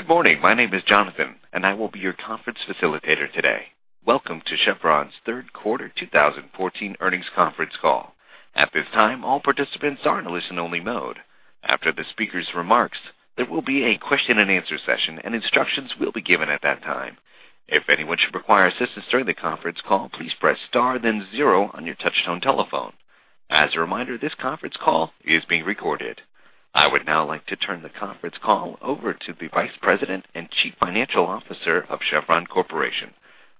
Good morning. My name is Jonathan, and I will be your conference facilitator today. Welcome to Chevron's third quarter 2014 earnings conference call. At this time, all participants are in listen-only mode. After the speaker's remarks, there will be a question-and-answer session, and instructions will be given at that time. If anyone should require assistance during the conference call, please press star then zero on your touchtone telephone. As a reminder, this conference call is being recorded. I would now like to turn the conference call over to the Vice President and Chief Financial Officer of Chevron Corporation,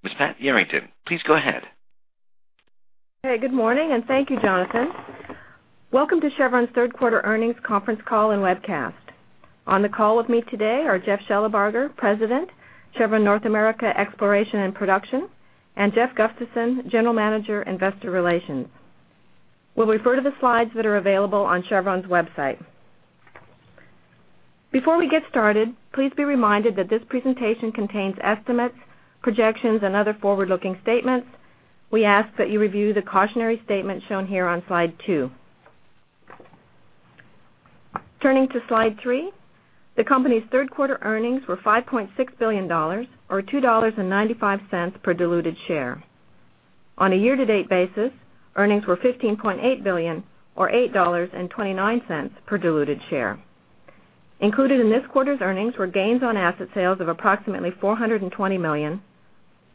Ms. Pat Yarrington. Please go ahead. Okay, good morning. Thank you, Jonathan. Welcome to Chevron's third quarter earnings conference call and webcast. On the call with me today are Jeff Shellebarger, President, Chevron North America Exploration and Production, and Jeff Gustavson, General Manager, Investor Relations. We'll refer to the slides that are available on Chevron's website. Before we get started, please be reminded that this presentation contains estimates, projections, and other forward-looking statements. We ask that you review the cautionary statement shown here on slide two. Turning to slide three, the company's third-quarter earnings were $5.6 billion, or $2.95 per diluted share. On a year-to-date basis, earnings were $15.8 billion, or $8.29 per diluted share. Included in this quarter's earnings were gains on asset sales of approximately $420 million,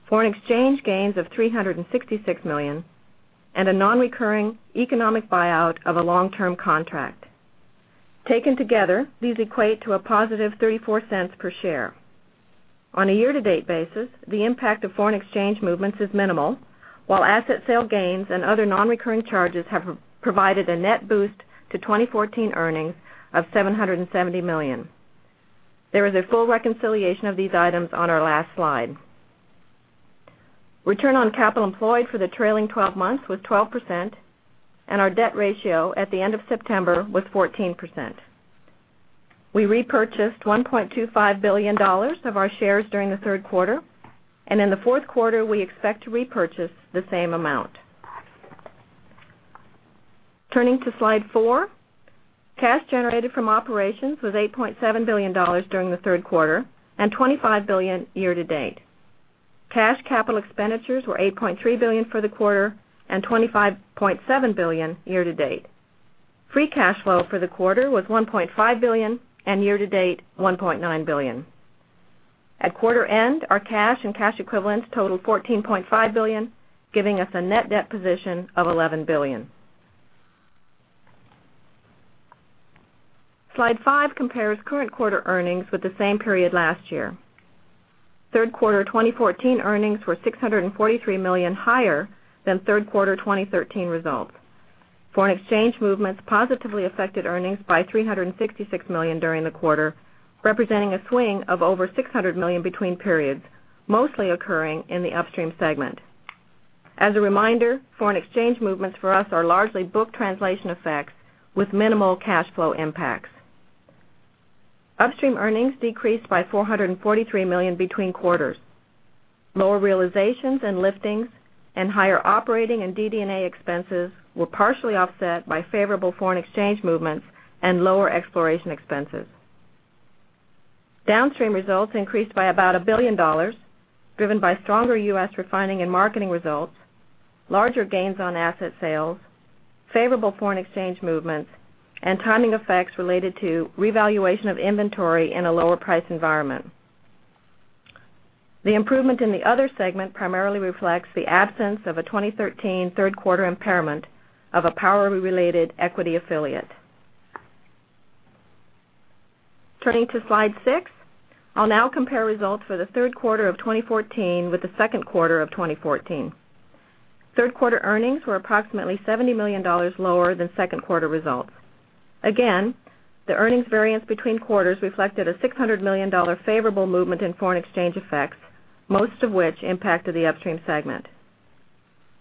foreign exchange gains of $366 million, and a non-recurring economic buyout of a long-term contract. Taken together, these equate to a positive $0.34 per share. On a year-to-date basis, the impact of foreign exchange movements is minimal. While asset sale gains and other non-recurring charges have provided a net boost to 2014 earnings of $770 million. There is a full reconciliation of these items on our last slide. Return on capital employed for the trailing 12 months was 12%. Our debt ratio at the end of September was 14%. We repurchased $1.25 billion of our shares during the third quarter. In the fourth quarter, we expect to repurchase the same amount. Turning to slide four, cash generated from operations was $8.7 billion during the third quarter and $25 billion year-to-date. Cash capital expenditures were $8.3 billion for the quarter and $25.7 billion year-to-date. Free cash flow for the quarter was $1.5 billion, and year-to-date, $1.9 billion. At quarter end, our cash and cash equivalents totaled $14.5 billion, giving us a net debt position of $11 billion. Slide five compares current quarter earnings with the same period last year. Third quarter 2014 earnings were $643 million higher than third quarter 2013 results. Foreign exchange movements positively affected earnings by $366 million during the quarter, representing a swing of over $600 million between periods, mostly occurring in the upstream segment. As a reminder, foreign exchange movements for us are largely book translation effects with minimal cash flow impacts. Upstream earnings decreased by $443 million between quarters. Lower realizations and liftings and higher operating and DD&A expenses were partially offset by favorable foreign exchange movements and lower exploration expenses. Downstream results increased by about $1 billion, driven by stronger U.S. refining and marketing results, larger gains on asset sales, favorable foreign exchange movements, and timing effects related to revaluation of inventory in a lower price environment. The improvement in the other segment primarily reflects the absence of a 2013 third quarter impairment of a power-related equity affiliate. Turning to slide six, I'll now compare results for the third quarter 2014 with the second quarter 2014. Third quarter earnings were approximately $70 million lower than second quarter results. Again, the earnings variance between quarters reflected a $600 million favorable movement in foreign exchange effects, most of which impacted the upstream segment.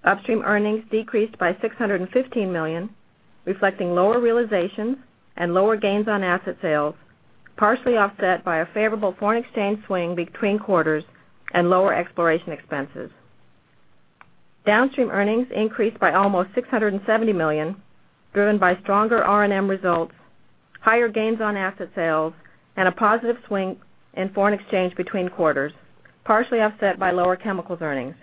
Upstream earnings decreased by $615 million, reflecting lower realizations and lower gains on asset sales, partially offset by a favorable foreign exchange swing between quarters and lower exploration expenses. Downstream earnings increased by almost $670 million, driven by stronger R&M results, higher gains on asset sales, and a positive swing in foreign exchange between quarters, partially offset by lower chemicals earnings.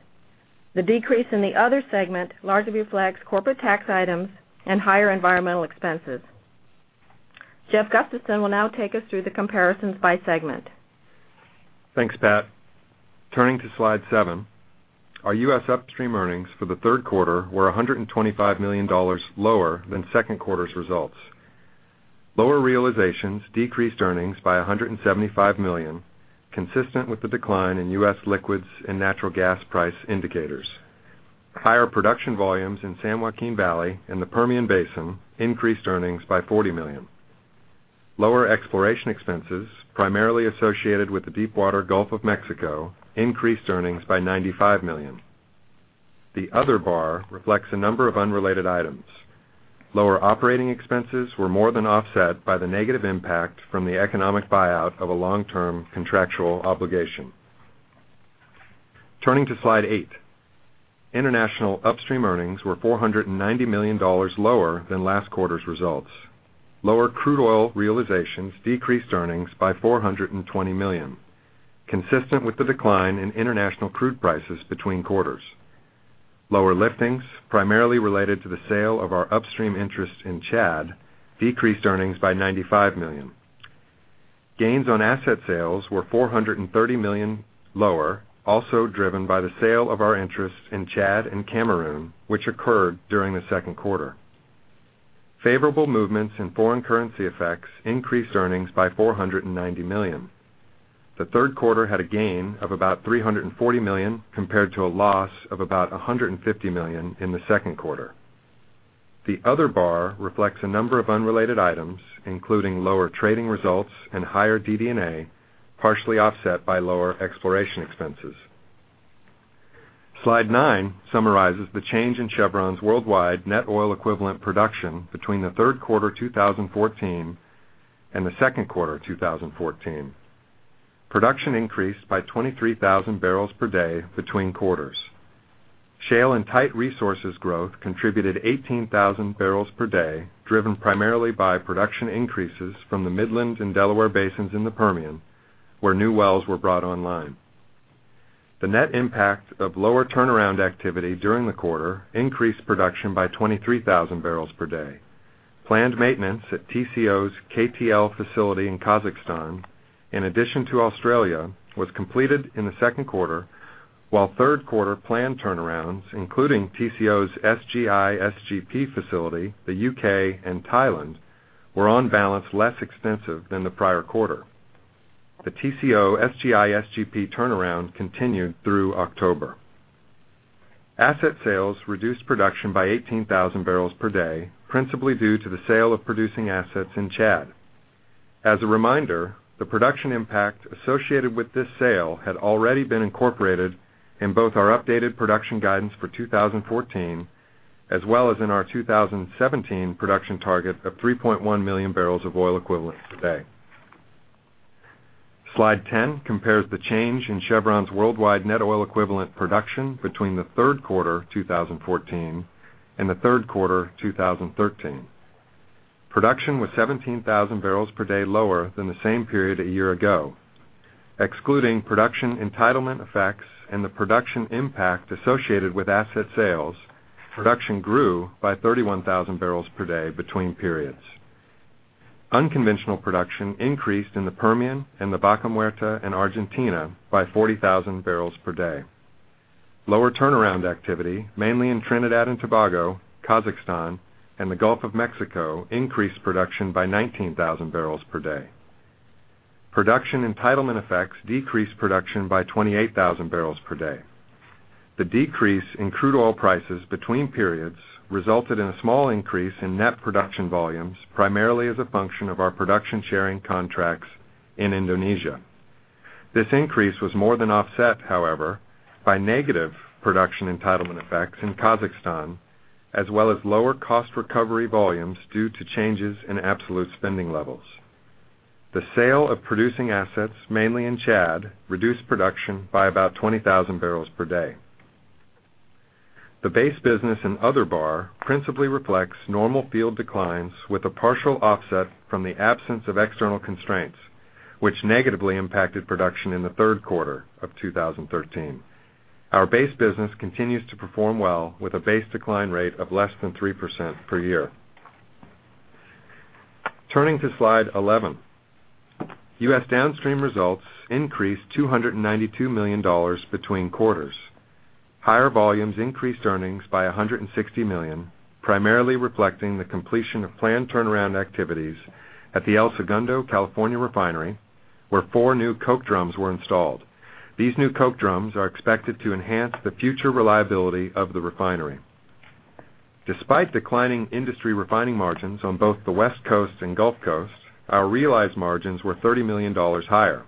The decrease in the other segment largely reflects corporate tax items and higher environmental expenses. Jeff Gustavson will now take us through the comparisons by segment. Thanks, Pat. Turning to slide seven, our U.S. upstream earnings for the third quarter were $125 million lower than second quarter's results. Lower realizations decreased earnings by $175 million, consistent with the decline in U.S. liquids and natural gas price indicators. Higher production volumes in San Joaquin Valley and the Permian Basin increased earnings by $40 million. Lower exploration expenses, primarily associated with the deepwater Gulf of Mexico, increased earnings by $95 million. The other bar reflects a number of unrelated items. Lower operating expenses were more than offset by the negative impact from the economic buyout of a long-term contractual obligation. Turning to slide eight, international upstream earnings were $490 million lower than last quarter's results. Lower crude oil realizations decreased earnings by $420 million, consistent with the decline in international crude prices between quarters. Lower liftings, primarily related to the sale of our upstream interest in Chad, decreased earnings by $95 million. Gains on asset sales were $430 million lower, also driven by the sale of our interest in Chad and Cameroon, which occurred during the second quarter. Favorable movements in foreign currency effects increased earnings by $490 million. The third quarter had a gain of about $340 million, compared to a loss of about $150 million in the second quarter. The other bar reflects a number of unrelated items, including lower trading results and higher DD&A, partially offset by lower exploration expenses. Slide nine summarizes the change in Chevron's worldwide net oil equivalent production between the third quarter 2014 and the second quarter 2014. Production increased by 23,000 barrels per day between quarters. Shale and tight resources growth contributed 18,000 barrels per day, driven primarily by production increases from the Midland and Delaware Basins in the Permian, where new wells were brought online. The net impact of lower turnaround activity during the quarter increased production by 23,000 barrels per day. Planned maintenance at Tengizchevroil's KTL facility in Kazakhstan, in addition to Australia, was completed in the second quarter, while third quarter planned turnarounds, including Tengizchevroil's SGI/SGP facility, the U.K., and Thailand, were on balance less extensive than the prior quarter. The Tengizchevroil SGI/SGP turnaround continued through October. Asset sales reduced production by 18,000 barrels per day, principally due to the sale of producing assets in Chad. As a reminder, the production impact associated with this sale had already been incorporated in both our updated production guidance for 2014, as well as in our 2017 production target of 3.1 million barrels of oil equivalent per day. slide 10 compares the change in Chevron's worldwide net oil equivalent production between the third quarter 2014 and the third quarter 2013. Production was 17,000 barrels per day lower than the same period a year ago. Excluding production entitlement effects and the production impact associated with asset sales, production grew by 31,000 barrels per day between periods. Unconventional production increased in the Permian and the Vaca Muerta in Argentina by 40,000 barrels per day. Lower turnaround activity, mainly in Trinidad and Tobago, Kazakhstan, and the Gulf of Mexico, increased production by 19,000 barrels per day. Production entitlement effects decreased production by 28,000 barrels per day. The decrease in crude oil prices between periods resulted in a small increase in net production volumes, primarily as a function of our production-sharing contracts in Indonesia. This increase was more than offset, however, by negative production entitlement effects in Kazakhstan, as well as lower cost recovery volumes due to changes in absolute spending levels. The sale of producing assets, mainly in Chad, reduced production by about 20,000 barrels per day. The base business and other bar principally reflects normal field declines with a partial offset from the absence of external constraints, which negatively impacted production in the third quarter of 2013. Our base business continues to perform well with a base decline rate of less than 3% per year. Turning to slide 11. U.S. downstream results increased $292 million between quarters. Higher volumes increased earnings by $160 million, primarily reflecting the completion of planned turnaround activities at the El Segundo California refinery, where four new coke drums were installed. These new coke drums are expected to enhance the future reliability of the refinery. Despite declining industry refining margins on both the West Coast and Gulf Coast, our realized margins were $30 million higher.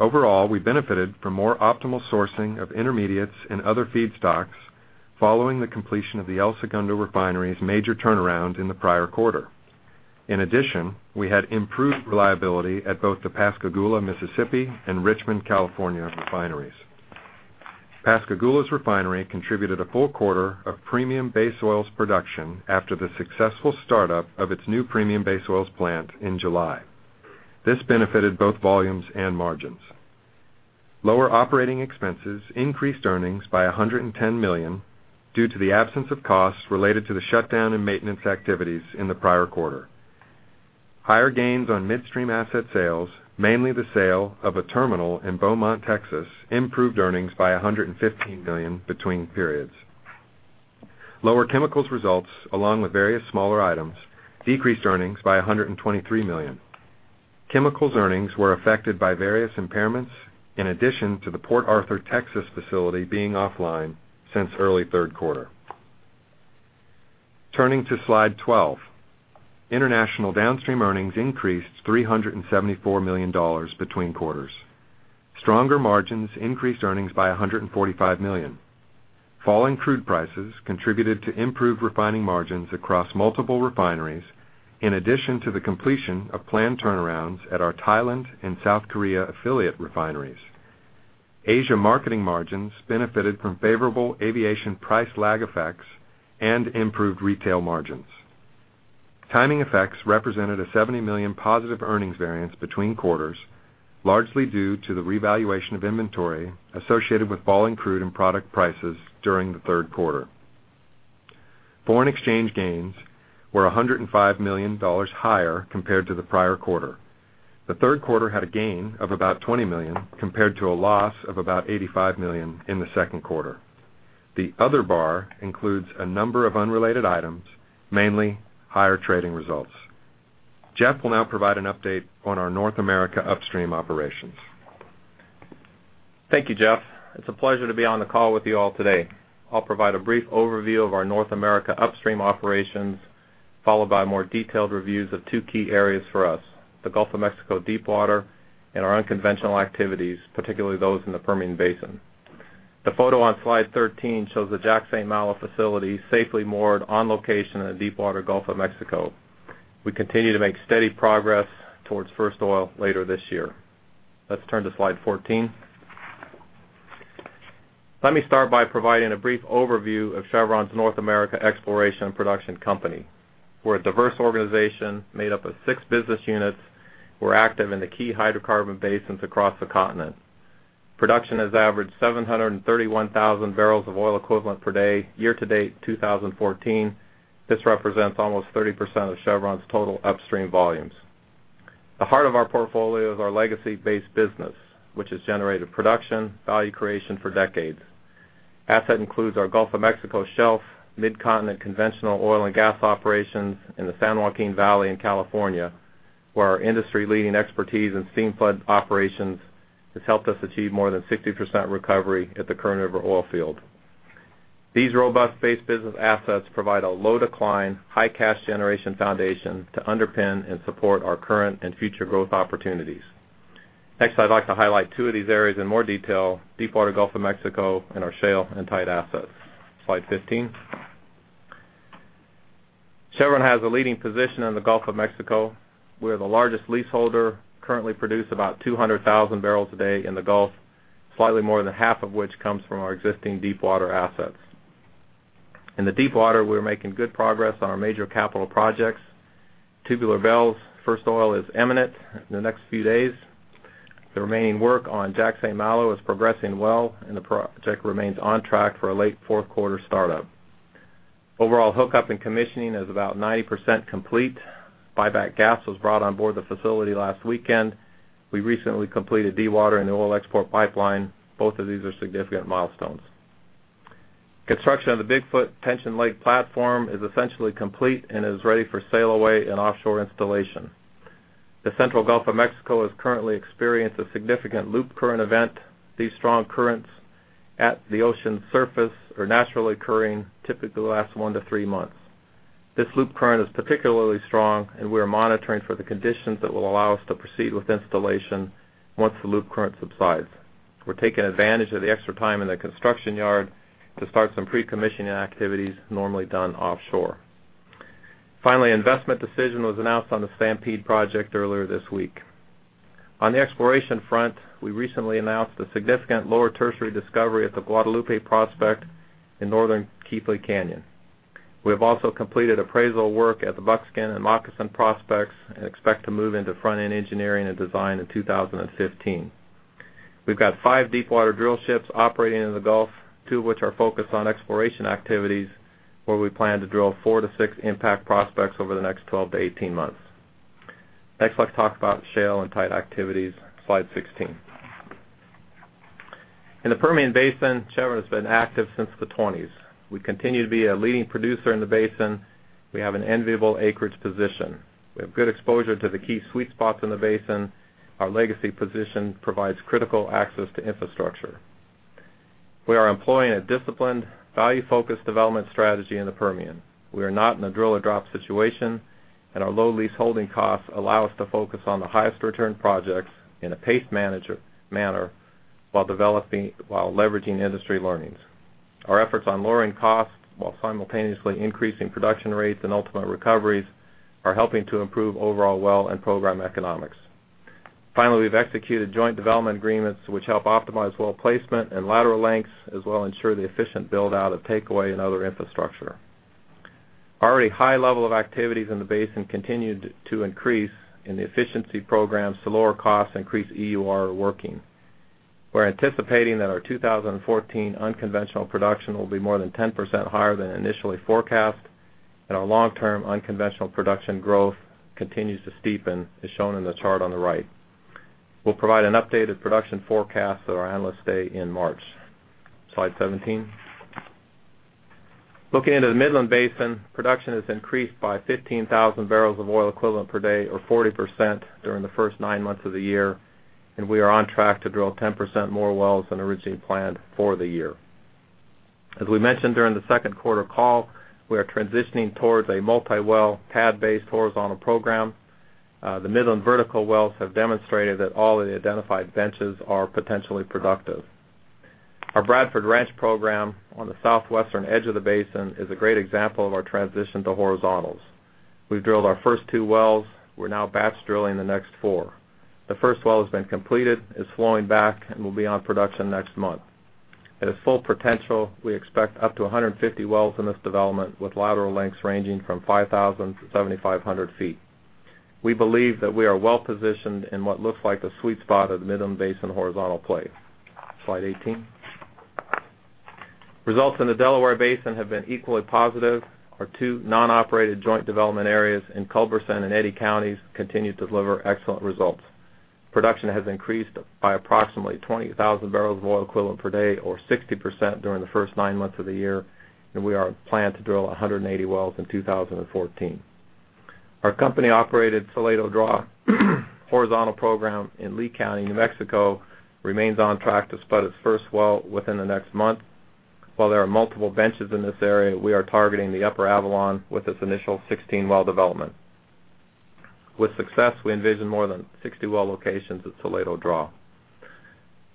Overall, we benefited from more optimal sourcing of intermediates and other feedstocks following the completion of the El Segundo refinery's major turnaround in the prior quarter. In addition, we had improved reliability at both the Pascagoula, Mississippi, and Richmond, California refineries. Pascagoula's refinery contributed a full quarter of premium base oils production after the successful startup of its new premium base oils plant in July. This benefited both volumes and margins. Lower operating expenses increased earnings by $110 million due to the absence of costs related to the shutdown in maintenance activities in the prior quarter. Higher gains on midstream asset sales, mainly the sale of a terminal in Beaumont, Texas, improved earnings by $115 million between periods. Lower Chemicals results along with various smaller items decreased earnings by $123 million. Chemicals earnings were affected by various impairments in addition to the Port Arthur, Texas facility being offline since early third quarter. Turning to slide 12. International Downstream earnings increased $374 million between quarters. Stronger margins increased earnings by $145 million. Falling crude prices contributed to improved refining margins across multiple refineries, in addition to the completion of planned turnarounds at our Thailand and South Korea affiliate refineries. Asia marketing margins benefited from favorable aviation price lag effects and improved retail margins. Timing effects represented a $70 million positive earnings variance between quarters, largely due to the revaluation of inventory associated with falling crude and product prices during the third quarter. Foreign exchange gains were $105 million higher compared to the prior quarter. The third quarter had a gain of about $20 million compared to a loss of about $85 million in the second quarter. The other bar includes a number of unrelated items, mainly higher trading results. Jeff will now provide an update on our North America Upstream operations. Thank you, Jeff. It's a pleasure to be on the call with you all today. I'll provide a brief overview of our North America Upstream operations, followed by more detailed reviews of two key areas for us, the Gulf of Mexico Deepwater and our unconventional activities, particularly those in the Permian Basin. The photo on slide 13 shows the Jack/St. Malo facility safely moored on location in the Deepwater Gulf of Mexico. We continue to make steady progress towards first oil later this year. Let's turn to slide 14. Let me start by providing a brief overview of Chevron's North America Exploration and Production Company. We're a diverse organization made up of six business units. We're active in the key hydrocarbon basins across the continent. Production has averaged 731,000 barrels of oil equivalent per day year to date 2014. This represents almost 30% of Chevron's total Upstream volumes. The heart of our portfolio is our legacy base business, which has generated production value creation for decades. Assets include our Gulf of Mexico shelf, mid-continent conventional oil and gas operations in the San Joaquin Valley in California, where our industry-leading expertise in steam flood operations has helped us achieve more than 60% recovery at the Kern River Oil Field. These robust base business assets provide a low decline, high cash generation foundation to underpin and support our current and future growth opportunities. Next, I'd like to highlight two of these areas in more detail, Deepwater Gulf of Mexico and our shale and tight assets. Slide 15. Chevron has a leading position in the Gulf of Mexico. We're the largest leaseholder, currently produce about 200,000 barrels a day in the Gulf, slightly more than half of which comes from our existing deepwater assets. In the deepwater, we are making good progress on our major capital projects. Tubular Bells' first oil is imminent in the next few days. The remaining work on Jack/St. Malo is progressing well, and the project remains on track for a late fourth quarter startup. Overall hookup and commissioning is about 90% complete. Flowback gas was brought on board the facility last weekend. We recently completed deepwater and oil export pipeline. Both of these are significant milestones. Construction of the Bigfoot tension leg platform is essentially complete and is ready for sail away and offshore installation. The central Gulf of Mexico has currently experienced a significant loop current event. These strong currents at the ocean surface are naturally occurring, typically last one to three months. This loop current is particularly strong, and we are monitoring for the conditions that will allow us to proceed with installation once the loop current subsides. We're taking advantage of the extra time in the construction yard to start some pre-commissioning activities normally done offshore. Investment decision was announced on the Stampede project earlier this week. On the exploration front, we recently announced a significant lower tertiary discovery at the Guadalupe prospect in Northern Keathley Canyon. We have also completed appraisal work at the Buckskin and Moccasin prospects and expect to move into front-end engineering and design in 2015. We've got five deepwater drill ships operating in the Gulf, two of which are focused on exploration activities, where we plan to drill four to six impact prospects over the next 12-18 months. Let's talk about shale and tight activities. Slide 16. In the Permian Basin, Chevron has been active since the '20s. We continue to be a leading producer in the basin. We have an enviable acreage position. We have good exposure to the key sweet spots in the basin. Our legacy position provides critical access to infrastructure. We are employing a disciplined, value-focused development strategy in the Permian. We are not in a drill or drop situation, and our low lease holding costs allow us to focus on the highest return projects in a paced manner while leveraging industry learnings. Our efforts on lowering costs while simultaneously increasing production rates and ultimate recoveries are helping to improve overall well and program economics. We've executed joint development agreements which help optimize well placement and lateral lengths, as well ensure the efficient build-out of takeaway and other infrastructure. Already high level of activities in the basin continued to increase in the efficiency programs to lower costs, increase EUR working. We're anticipating that our 2014 unconventional production will be more than 10% higher than initially forecast, and our long-term unconventional production growth continues to steepen, as shown in the chart on the right. We'll provide an updated production forecast at our Analyst Day in March. Slide 17. Looking into the Midland Basin, production has increased by 15,000 barrels of oil equivalent per day or 40% during the first nine months of the year. We are on track to drill 10% more wells than originally planned for the year. As we mentioned during the second quarter call, we are transitioning towards a multi-well pad-based horizontal program. The Midland vertical wells have demonstrated that all of the identified benches are potentially productive. Our Bradford Ranch program on the southwestern edge of the basin is a great example of our transition to horizontals. We've drilled our first two wells. We're now batch drilling the next four. The first well has been completed, is Flowback, and will be on production next month. At its full potential, we expect up to 150 wells in this development, with lateral lengths ranging from 5,000 feet-7,500 feet. We believe that we are well-positioned in what looks like the sweet spot of the Midland Basin horizontal play. Slide 18. Results in the Delaware Basin have been equally positive. Our two non-operated joint development areas in Culberson and Eddy Counties continue to deliver excellent results. Production has increased by approximately 20,000 barrels of oil equivalent per day or 60% during the first nine months of the year. We are planned to drill 180 wells in 2014. Our company-operated Toledo Draw horizontal program in Lea County, New Mexico, remains on track to spud its first well within the next month. While there are multiple benches in this area, we are targeting the Upper Avalon with this initial 16-well development. With success, we envision more than 60 well locations at Toledo Draw.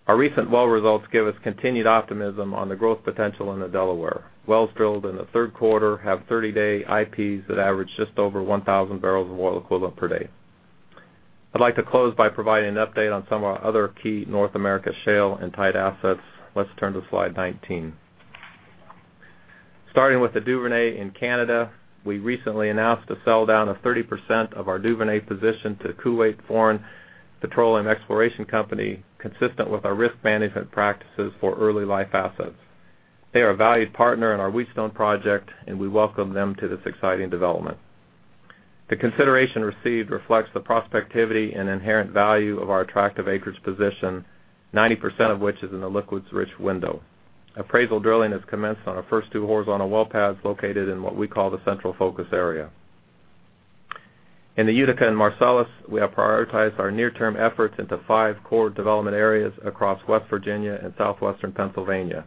Our recent well results give us continued optimism on the growth potential in the Delaware. Wells drilled in the third quarter have 30-day IPs that average just over 1,000 barrels of oil equivalent per day. I'd like to close by providing an update on some of our other key North America shale and tight assets. Let's turn to slide 19. Starting with the Duvernay in Canada, we recently announced the sell-down of 30% of our Duvernay position to Kuwait Foreign Petroleum Exploration Company, consistent with our risk management practices for early life assets. They are a valued partner in our Wheatstone project. We welcome them to this exciting development. The consideration received reflects the prospectivity and inherent value of our attractive acreage position, 90% of which is in the liquids-rich window. Appraisal drilling has commenced on our first two horizontal well pads located in what we call the central focus area. In the Utica and Marcellus, we have prioritized our near-term efforts into five core development areas across West Virginia and southwestern Pennsylvania.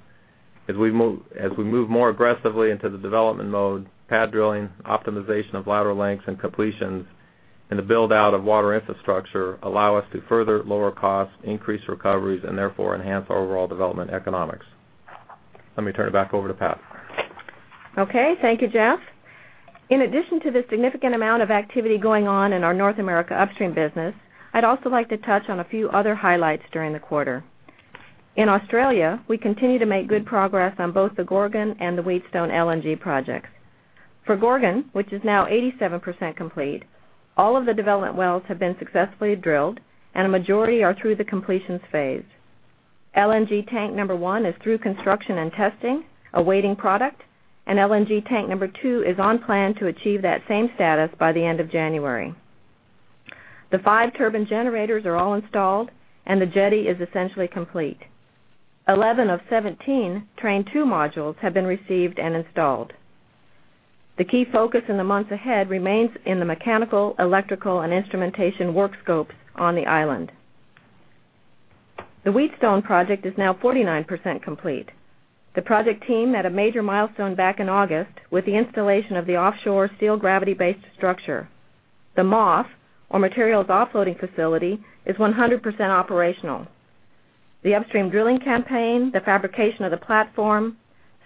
As we move more aggressively into the development mode, pad drilling, optimization of lateral lengths and completions, and the build-out of water infrastructure allow us to further lower costs, increase recoveries, and therefore enhance overall development economics. Let me turn it back over to Pat. Okay. Thank you, Jeff. In addition to the significant amount of activity going on in our North America upstream business, I'd also like to touch on a few other highlights during the quarter. In Australia, we continue to make good progress on both the Gorgon and the Wheatstone LNG projects. For Gorgon, which is now 87% complete, all of the development wells have been successfully drilled, and a majority are through the completions phase. LNG tank number 1 is through construction and testing, awaiting product, and LNG tank number 2 is on plan to achieve that same status by the end of January. The five turbine generators are all installed, and the jetty is essentially complete. 11 of 17 train 2 modules have been received and installed. The key focus in the months ahead remains in the mechanical, electrical, and instrumentation work scopes on the island. The Wheatstone project is now 49% complete. The project team met a major milestone back in August with the installation of the offshore steel gravity-based structure. The MOF, or materials offloading facility, is 100% operational. The upstream drilling campaign, the fabrication of the platform,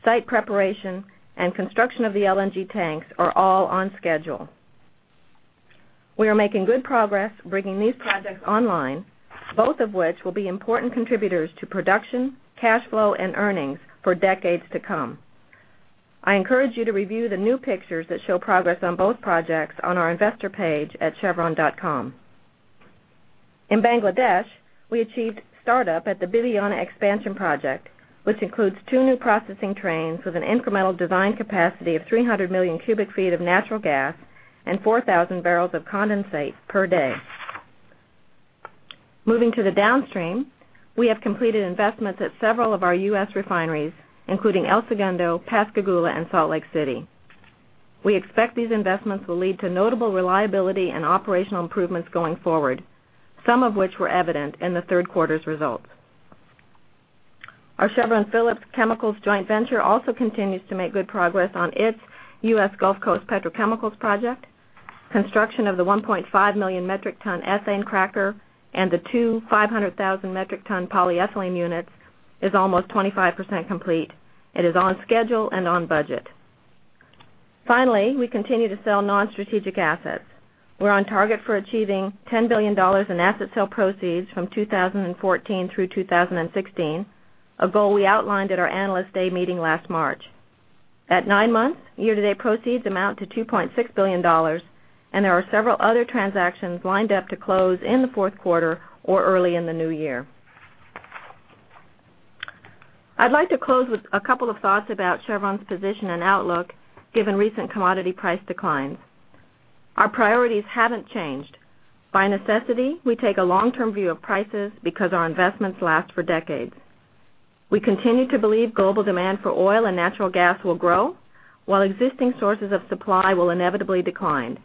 site preparation, and construction of the LNG tanks are all on schedule. We are making good progress bringing these projects online, both of which will be important contributors to production, cash flow, and earnings for decades to come. I encourage you to review the new pictures that show progress on both projects on our investor page at chevron.com. In Bangladesh, we achieved startup at the Bibiyana expansion project, which includes two new processing trains with an incremental design capacity of 300 million cubic feet of natural gas and 4,000 barrels of condensate per day. Moving to the downstream, we have completed investments at several of our U.S. refineries, including El Segundo, Pascagoula, and Salt Lake City. We expect these investments will lead to notable reliability and operational improvements going forward, some of which were evident in the third quarter's results. Our Chevron Phillips Chemical joint venture also continues to make good progress on its U.S. Gulf Coast petrochemicals project. Construction of the 1.5 million metric ton ethane cracker and the two 500,000 metric ton polyethylene units is almost 25% complete. It is on schedule and on budget. Finally, we continue to sell non-strategic assets. We're on target for achieving $10 billion in asset sale proceeds from 2014 through 2016, a goal we outlined at our Analyst Day meeting last March. At nine months, year-to-date proceeds amount to $2.6 billion, there are several other transactions lined up to close in the fourth quarter or early in the new year. I'd like to close with a couple of thoughts about Chevron's position and outlook given recent commodity price declines. Our priorities haven't changed. By necessity, we take a long-term view of prices because our investments last for decades. We continue to believe global demand for oil and natural gas will grow while existing sources of supply will inevitably decline.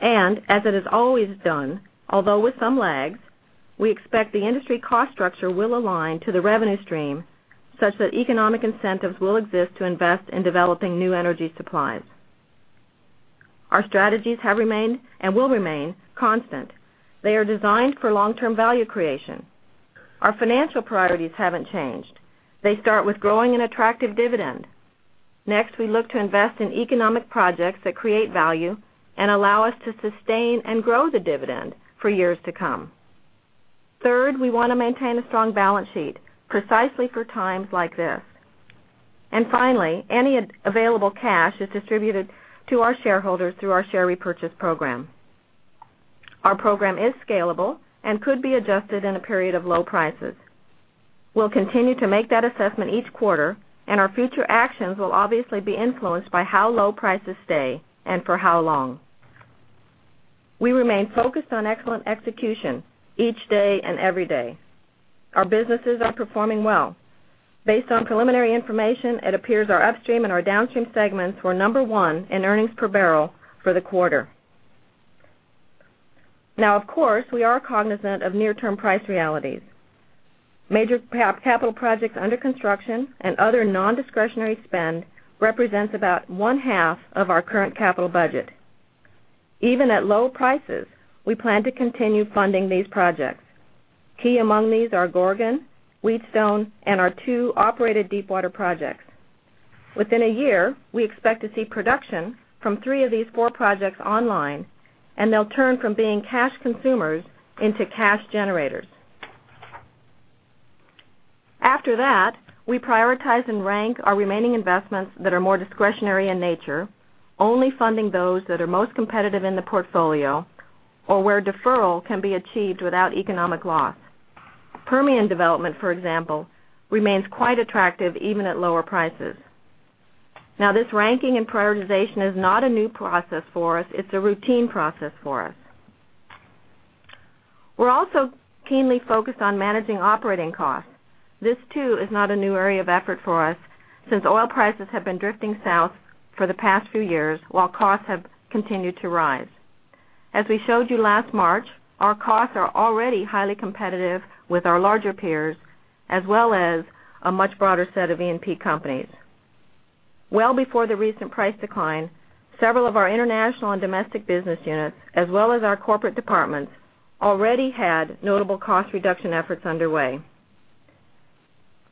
As it has always done, although with some lags, we expect the industry cost structure will align to the revenue stream such that economic incentives will exist to invest in developing new energy supplies. Our strategies have remained, and will remain, constant. They are designed for long-term value creation. Our financial priorities haven't changed. They start with growing an attractive dividend. Next, we look to invest in economic projects that create value and allow us to sustain and grow the dividend for years to come. Third, we want to maintain a strong balance sheet, precisely for times like this. Finally, any available cash is distributed to our shareholders through our share repurchase program. Our program is scalable and could be adjusted in a period of low prices. We'll continue to make that assessment each quarter, and our future actions will obviously be influenced by how low prices stay and for how long. We remain focused on excellent execution each day and every day. Our businesses are performing well. Based on preliminary information, it appears our upstream and our downstream segments were number one in earnings per barrel for the quarter. Of course, we are cognizant of near-term price realities. Major capital projects under construction and other non-discretionary spend represents about one half of our current capital budget. Even at low prices, we plan to continue funding these projects. Key among these are Gorgon, Wheatstone, and our two operated deepwater projects. Within a year, we expect to see production from three of these four projects online, and they'll turn from being cash consumers into cash generators. After that, we prioritize and rank our remaining investments that are more discretionary in nature, only funding those that are most competitive in the portfolio or where deferral can be achieved without economic loss. Permian development, for example, remains quite attractive even at lower prices. This ranking and prioritization is not a new process for us. It's a routine process for us. We're also keenly focused on managing operating costs. This, too, is not a new area of effort for us since oil prices have been drifting south for the past few years while costs have continued to rise. As we showed you last March, our costs are already highly competitive with our larger peers, as well as a much broader set of E&P companies. Well before the recent price decline, several of our international and domestic business units, as well as our corporate departments, already had notable cost reduction efforts underway.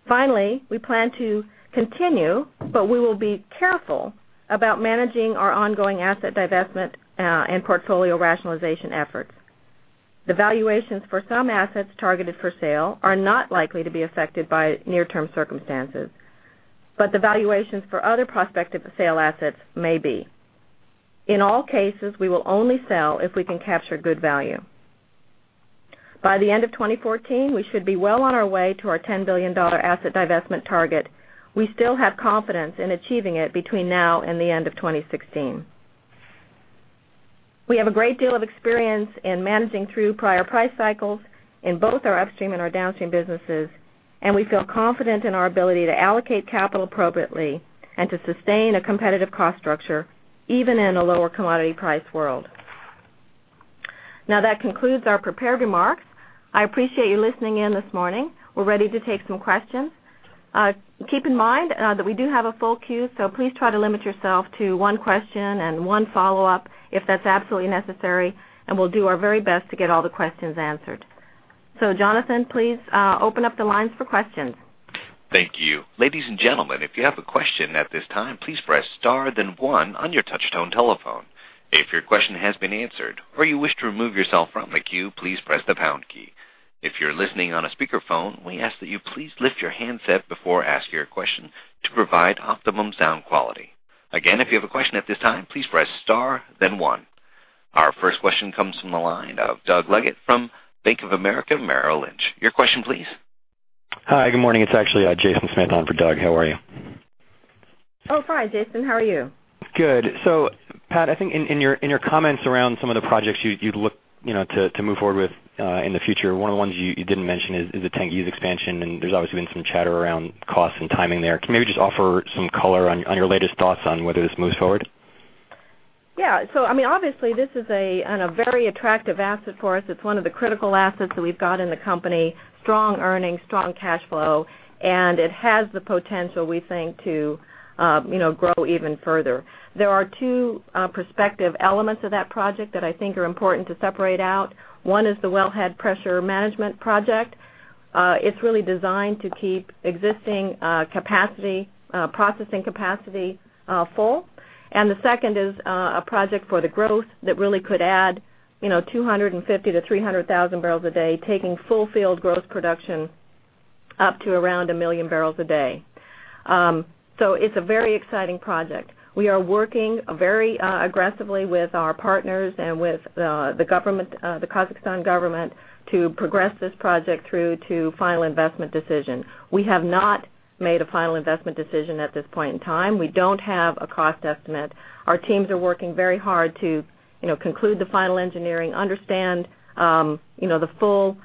Finally, we plan to continue, but we will be careful about managing our ongoing asset divestment and portfolio rationalization efforts. The valuations for some assets targeted for sale are not likely to be affected by near-term circumstances. The valuations for other prospective sale assets may be. In all cases, we will only sell if we can capture good value. By the end of 2014, we should be well on our way to our $10 billion asset divestment target. We still have confidence in achieving it between now and the end of 2016. We have a great deal of experience in managing through prior price cycles in both our upstream and our downstream businesses, and we feel confident in our ability to allocate capital appropriately and to sustain a competitive cost structure, even in a lower commodity price world. That concludes our prepared remarks. I appreciate you listening in this morning. We're ready to take some questions. Keep in mind that we do have a full queue, so please try to limit yourself to one question and one follow-up if that's absolutely necessary, and we'll do our very best to get all the questions answered. Jonathan, please open up the lines for questions. Thank you. Ladies and gentlemen, if you have a question at this time, please press star then one on your touch-tone telephone. If your question has been answered or you wish to remove yourself from the queue, please press the pound key. If you're listening on a speakerphone, we ask that you please lift your handset before asking your question to provide optimum sound quality. Again, if you have a question at this time, please press star then one. Our first question comes from the line of Douglas Leggate from Bank of America Merrill Lynch. Your question, please. Hi, good morning. It's actually Jason Smith on for Doug. How are you? Oh, hi, Jason. How are you? Good. Pat, I think in your comments around some of the projects you'd look to move forward with in the future, one of the ones you didn't mention is the Tengiz expansion, and there's obviously been some chatter around cost and timing there. Can you maybe just offer some color on your latest thoughts on whether this moves forward? This is a very attractive asset for us. It's one of the critical assets that we've got in the company. Strong earnings, strong cash flow, and it has the potential, we think, to grow even further. There are two prospective elements of that project that I think are important to separate out. One is the wellhead pressure management project. It's really designed to keep existing processing capacity full. The second is a project for the growth that really could add 250,000 to 300,000 barrels a day, taking full field growth production up to around 1 million barrels a day. It's a very exciting project. We are working very aggressively with our partners and with the Kazakhstan government to progress this project through to final investment decision. We have not made a final investment decision at this point in time. We don't have a cost estimate. Our teams are working very hard to conclude the final engineering, understand the full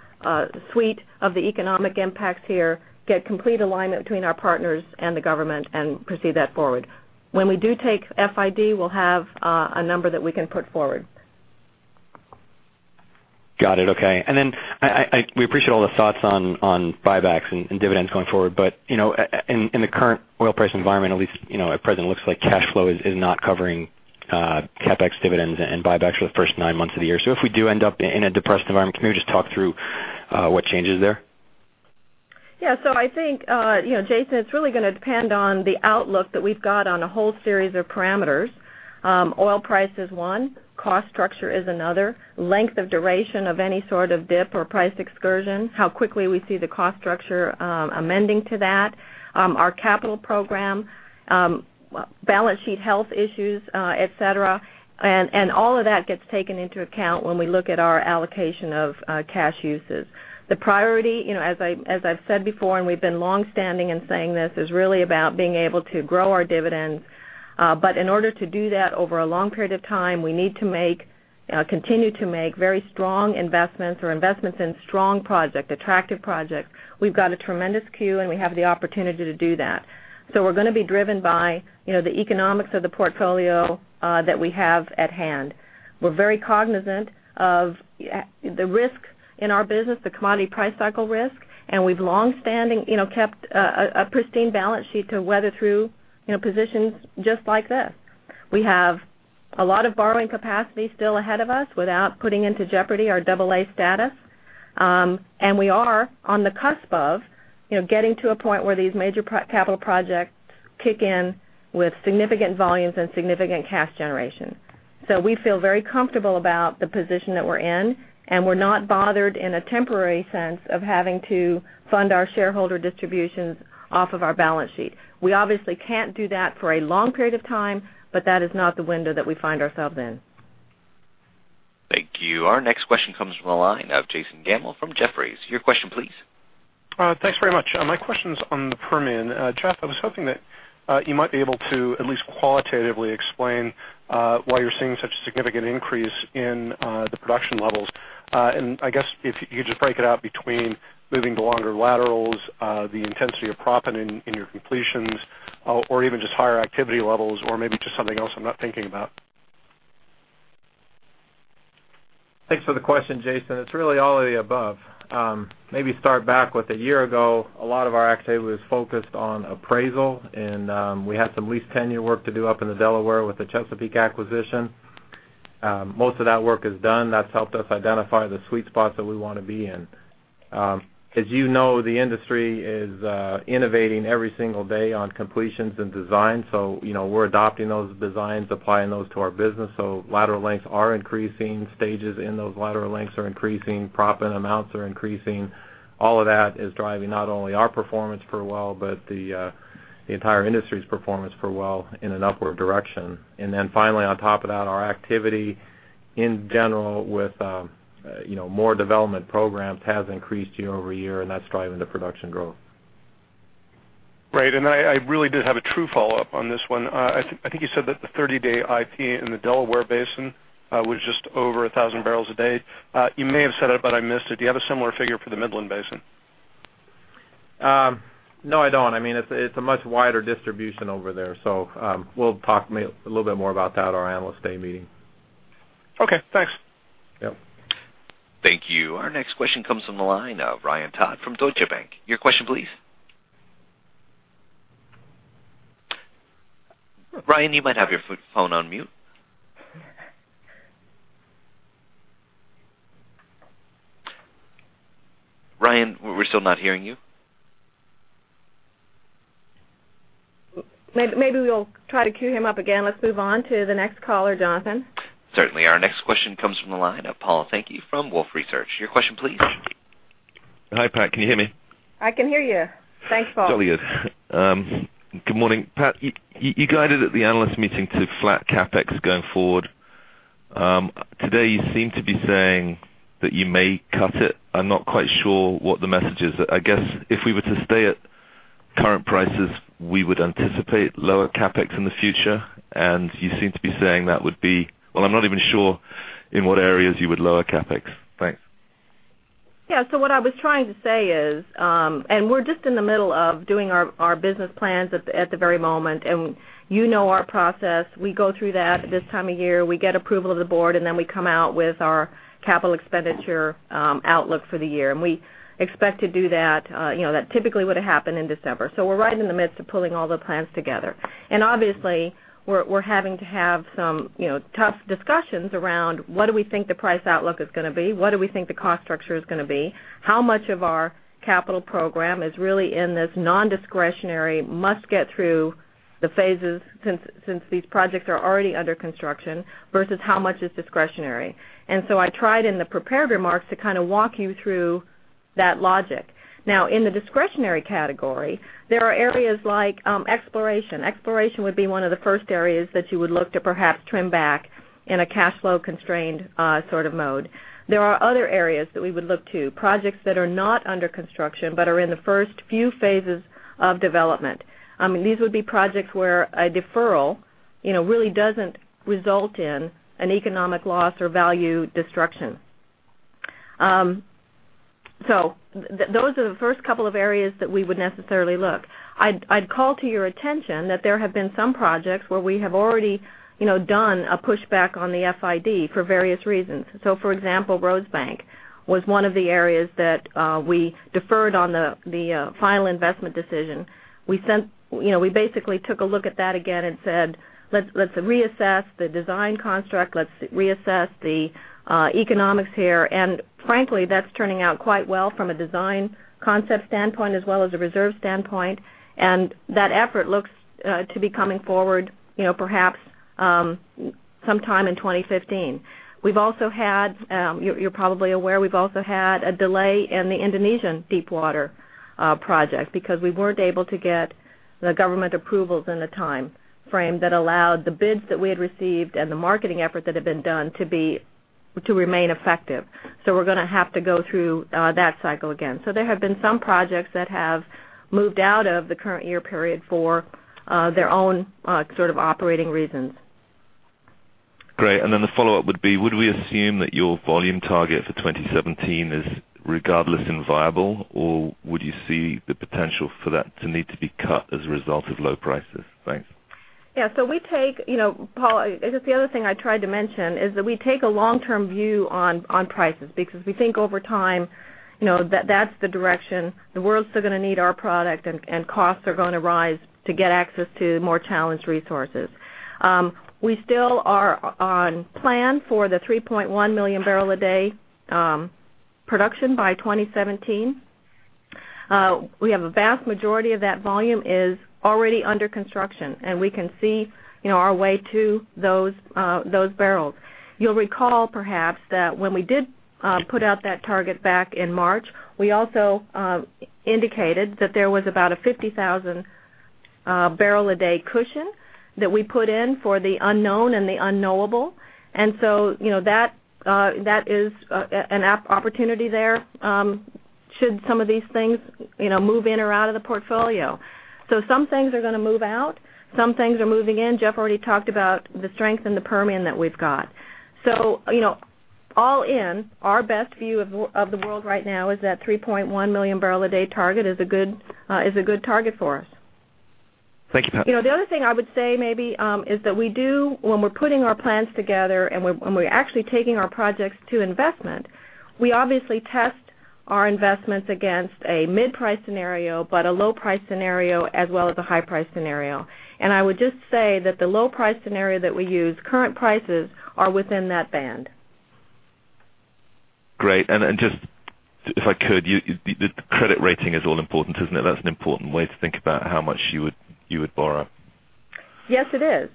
suite of the economic impacts here, get complete alignment between our partners and the government, and proceed that forward. When we do take FID, we'll have a number that we can put forward. Got it. Okay. We appreciate all the thoughts on buybacks and dividends going forward. In the current oil price environment, at least at present, it looks like cash flow is not covering CapEx dividends and buybacks for the first nine months of the year. If we do end up in a depressed environment, can you just talk through what changes there? I think, Jason, it's really going to depend on the outlook that we've got on a whole series of parameters. Oil price is one. Cost structure is another. Length of duration of any sort of dip or price excursion, how quickly we see the cost structure amending to that. Our capital program, balance sheet health issues, et cetera. All of that gets taken into account when we look at our allocation of cash uses. The priority, as I've said before, and we've been longstanding in saying this, is really about being able to grow our dividends. In order to do that over a long period of time, we need to continue to make very strong investments or investments in strong projects, attractive projects. We've got a tremendous queue, and we have the opportunity to do that. We're going to be driven by the economics of the portfolio that we have at hand. We're very cognizant of the risk in our business, the commodity price cycle risk, and we've longstanding kept a pristine balance sheet to weather through positions just like this. We have a lot of borrowing capacity still ahead of us without putting into jeopardy our double A status. We are on the cusp of getting to a point where these major capital projects kick in with significant volumes and significant cash generation. We feel very comfortable about the position that we're in, and we're not bothered in a temporary sense of having to fund our shareholder distributions off of our balance sheet. We obviously can't do that for a long period of time, but that is not the window that we find ourselves in. Thank you. Our next question comes from the line of Jason Gabelman from Jefferies. Your question, please. Thanks very much. My question's on the Permian. Jeff, I was hoping that you might be able to at least qualitatively explain why you're seeing such a significant increase in the production levels. I guess if you could just break it out between moving to longer laterals, the intensity of propping in your completions, or even just higher activity levels or maybe just something else I'm not thinking about. Thanks for the question, Jason. It's really all of the above. Maybe start back with a year ago, a lot of our activity was focused on appraisal, and we had some lease tenure work to do up in the Delaware with the Chesapeake acquisition. Most of that work is done. That's helped us identify the sweet spots that we want to be in. As you know, the industry is innovating every single day on completions and design. We're adopting those designs, applying those to our business. Lateral lengths are increasing. Stages in those lateral lengths are increasing. Proppant amounts are increasing. All of that is driving not only our performance per well, but the entire industry's performance per well in an upward direction. Finally, on top of that, our activity in general with more development programs has increased year-over-year, and that's driving the production growth. Right. I really did have a true follow-up on this one. I think you said that the 30-day IP in the Delaware Basin was just over 1,000 barrels a day. You may have said it, but I missed it. Do you have a similar figure for the Midland Basin? No, I don't. It's a much wider distribution over there. We'll talk maybe a little bit more about that at our Analyst Day meeting. Okay, thanks. Yep. Thank you. Our next question comes from the line of Ryan Todd from Deutsche Bank. Your question, please. Ryan, you might have your phone on mute. Ryan, we're still not hearing you. Maybe we'll try to queue him up again. Let's move on to the next caller, Jonathan. Certainly. Our next question comes from the line of Paul Sankey from Wolfe Research. Your question, please. Hi, Pat. Can you hear me? I can hear you. Thanks, Paul. Jolly good. Good morning. Pat, you guided at the analyst meeting to flat CapEx going forward. Today, you seem to be saying that you may cut it. I'm not quite sure what the message is. I guess if we were to stay at current prices, we would anticipate lower CapEx in the future. You seem to be saying. Well, I'm not even sure in what areas you would lower CapEx. Thanks. Yeah. What I was trying to say is, we're just in the middle of doing our business plans at the very moment. You know our process. We go through that this time of year. We get approval of the board. Then we come out with our capital expenditure outlook for the year. We expect to do that. That typically would have happened in December. We're right in the midst of pulling all the plans together. Obviously, we're having to have some tough discussions around what do we think the price outlook is going to be? What do we think the cost structure is going to be? How much of our capital program is really in this non-discretionary must get through the phases since these projects are already under construction versus how much is discretionary? I tried in the prepared remarks to walk you through that logic. Now, in the discretionary category, there are areas like exploration. Exploration would be one of the first areas that you would look to perhaps trim back in a cash flow constrained sort of mode. There are other areas that we would look to, projects that are not under construction, but are in the first few phases of development. These would be projects where a deferral really doesn't result in an economic loss or value destruction. Those are the first couple of areas that we would necessarily look. I'd call to your attention that there have been some projects where we have already done a pushback on the FID for various reasons. For example, Rosebank was one of the areas that we deferred on the final investment decision. We basically took a look at that again and said, "Let's reassess the design construct. Let's reassess the economics here." Frankly, that's turning out quite well from a design concept standpoint as well as a reserve standpoint. That effort looks to be coming forward perhaps sometime in 2015. You're probably aware, we've also had a delay in the Indonesian Deepwater project because we weren't able to get the government approvals in the timeframe that allowed the bids that we had received and the marketing effort that had been done to remain effective. We're going to have to go through that cycle again. There have been some projects that have moved out of the current year period for their own sort of operating reasons. Great. The follow-up would be, would we assume that your volume target for 2017 is regardless and viable, or would you see the potential for that to need to be cut as a result of low prices? Thanks. Yeah. Paul, I guess the other thing I tried to mention is that we take a long-term view on prices, because we think over time that's the direction. The world's still going to need our product, and costs are going to rise to get access to more challenged resources. We still are on plan for the 3.1 million barrel a day production by 2017. We have a vast majority of that volume is already under construction, and we can see our way to those barrels. You'll recall perhaps that when we did put out that target back in March, we also indicated that there was about a 50,000 barrel a day cushion that we put in for the unknown and the unknowable. That is an opportunity there should some of these things move in or out of the portfolio. Some things are going to move out, some things are moving in. Jeff already talked about the strength in the Permian that we've got. All in, our best view of the world right now is that 3.1 million barrel a day target is a good target for us. Thank you, Pat. The other thing I would say maybe, is that when we're putting our plans together and when we're actually taking our projects to investment, we obviously test our investments against a mid-price scenario, but a low price scenario as well as a high price scenario. I would just say that the low price scenario that we use, current prices are within that band. Great. Just if I could, the credit rating is all important, isn't it? That's an important way to think about how much you would borrow. Yes, it is.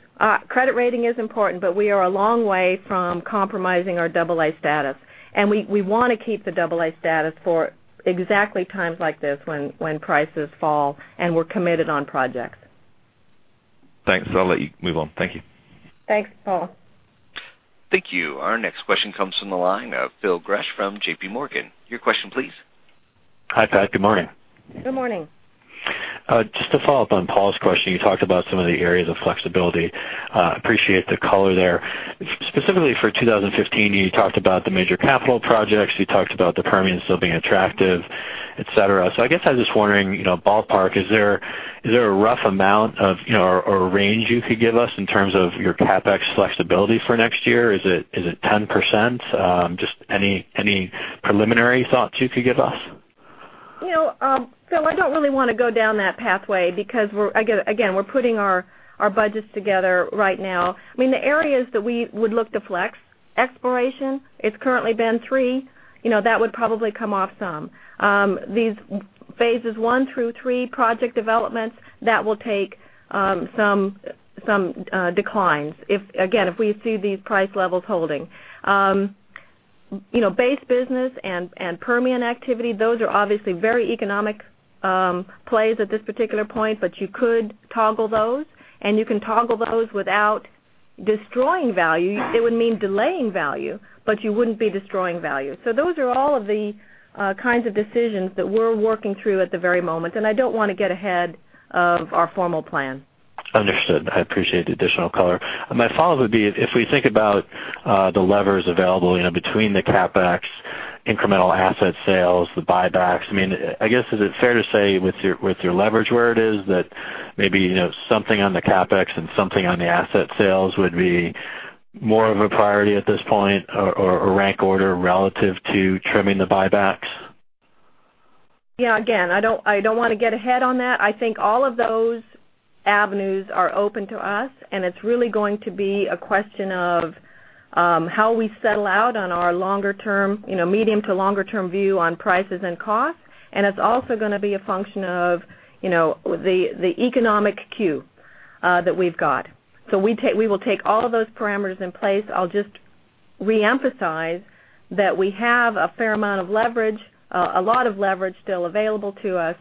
Credit rating is important, we are a long way from compromising our double A status, and we want to keep the double A status for exactly times like this when prices fall and we're committed on projects. Thanks. I'll let you move on. Thank you. Thanks, Paul. Thank you. Our next question comes from the line of Phil Gresh from J.P. Morgan. Your question, please. Hi, Pat. Good morning. Good morning. Just to follow up on Paul's question, you talked about some of the areas of flexibility. Appreciate the color there. Specifically for 2015, you talked about the major capital projects. You talked about the Permian still being attractive, et cetera. I guess I was just wondering, ballpark, is there a rough amount or range you could give us in terms of your CapEx flexibility for next year? Is it 10%? Just any preliminary thoughts you could give us? Phil, I don't really want to go down that pathway because, again, we're putting our budgets together right now. I mean, the areas that we would look to flex, exploration, it's currently been 3. That would probably come off some. These phases 1 through 3 project developments, that will take some declines, again, if we see these price levels holding. Base business and Permian activity, those are obviously very economic plays at this particular point, but you could toggle those, and you can toggle those without destroying value. It would mean delaying value, but you wouldn't be destroying value. Those are all of the kinds of decisions that we're working through at the very moment, and I don't want to get ahead of our formal plan. Understood. I appreciate the additional color. My follow-up would be, if we think about the levers available between the CapEx, incremental asset sales, the buybacks, I guess, is it fair to say with your leverage where it is that maybe something on the CapEx and something on the asset sales would be more of a priority at this point or a rank order relative to trimming the buybacks? Yeah, again, I don't want to get ahead on that. I think all of those avenues are open to us, and it's really going to be a question of how we settle out on our medium to longer term view on prices and costs, and it's also going to be a function of the economic cue that we've got. We will take all of those parameters in place. I'll just reemphasize that we have a fair amount of leverage, a lot of leverage still available to us.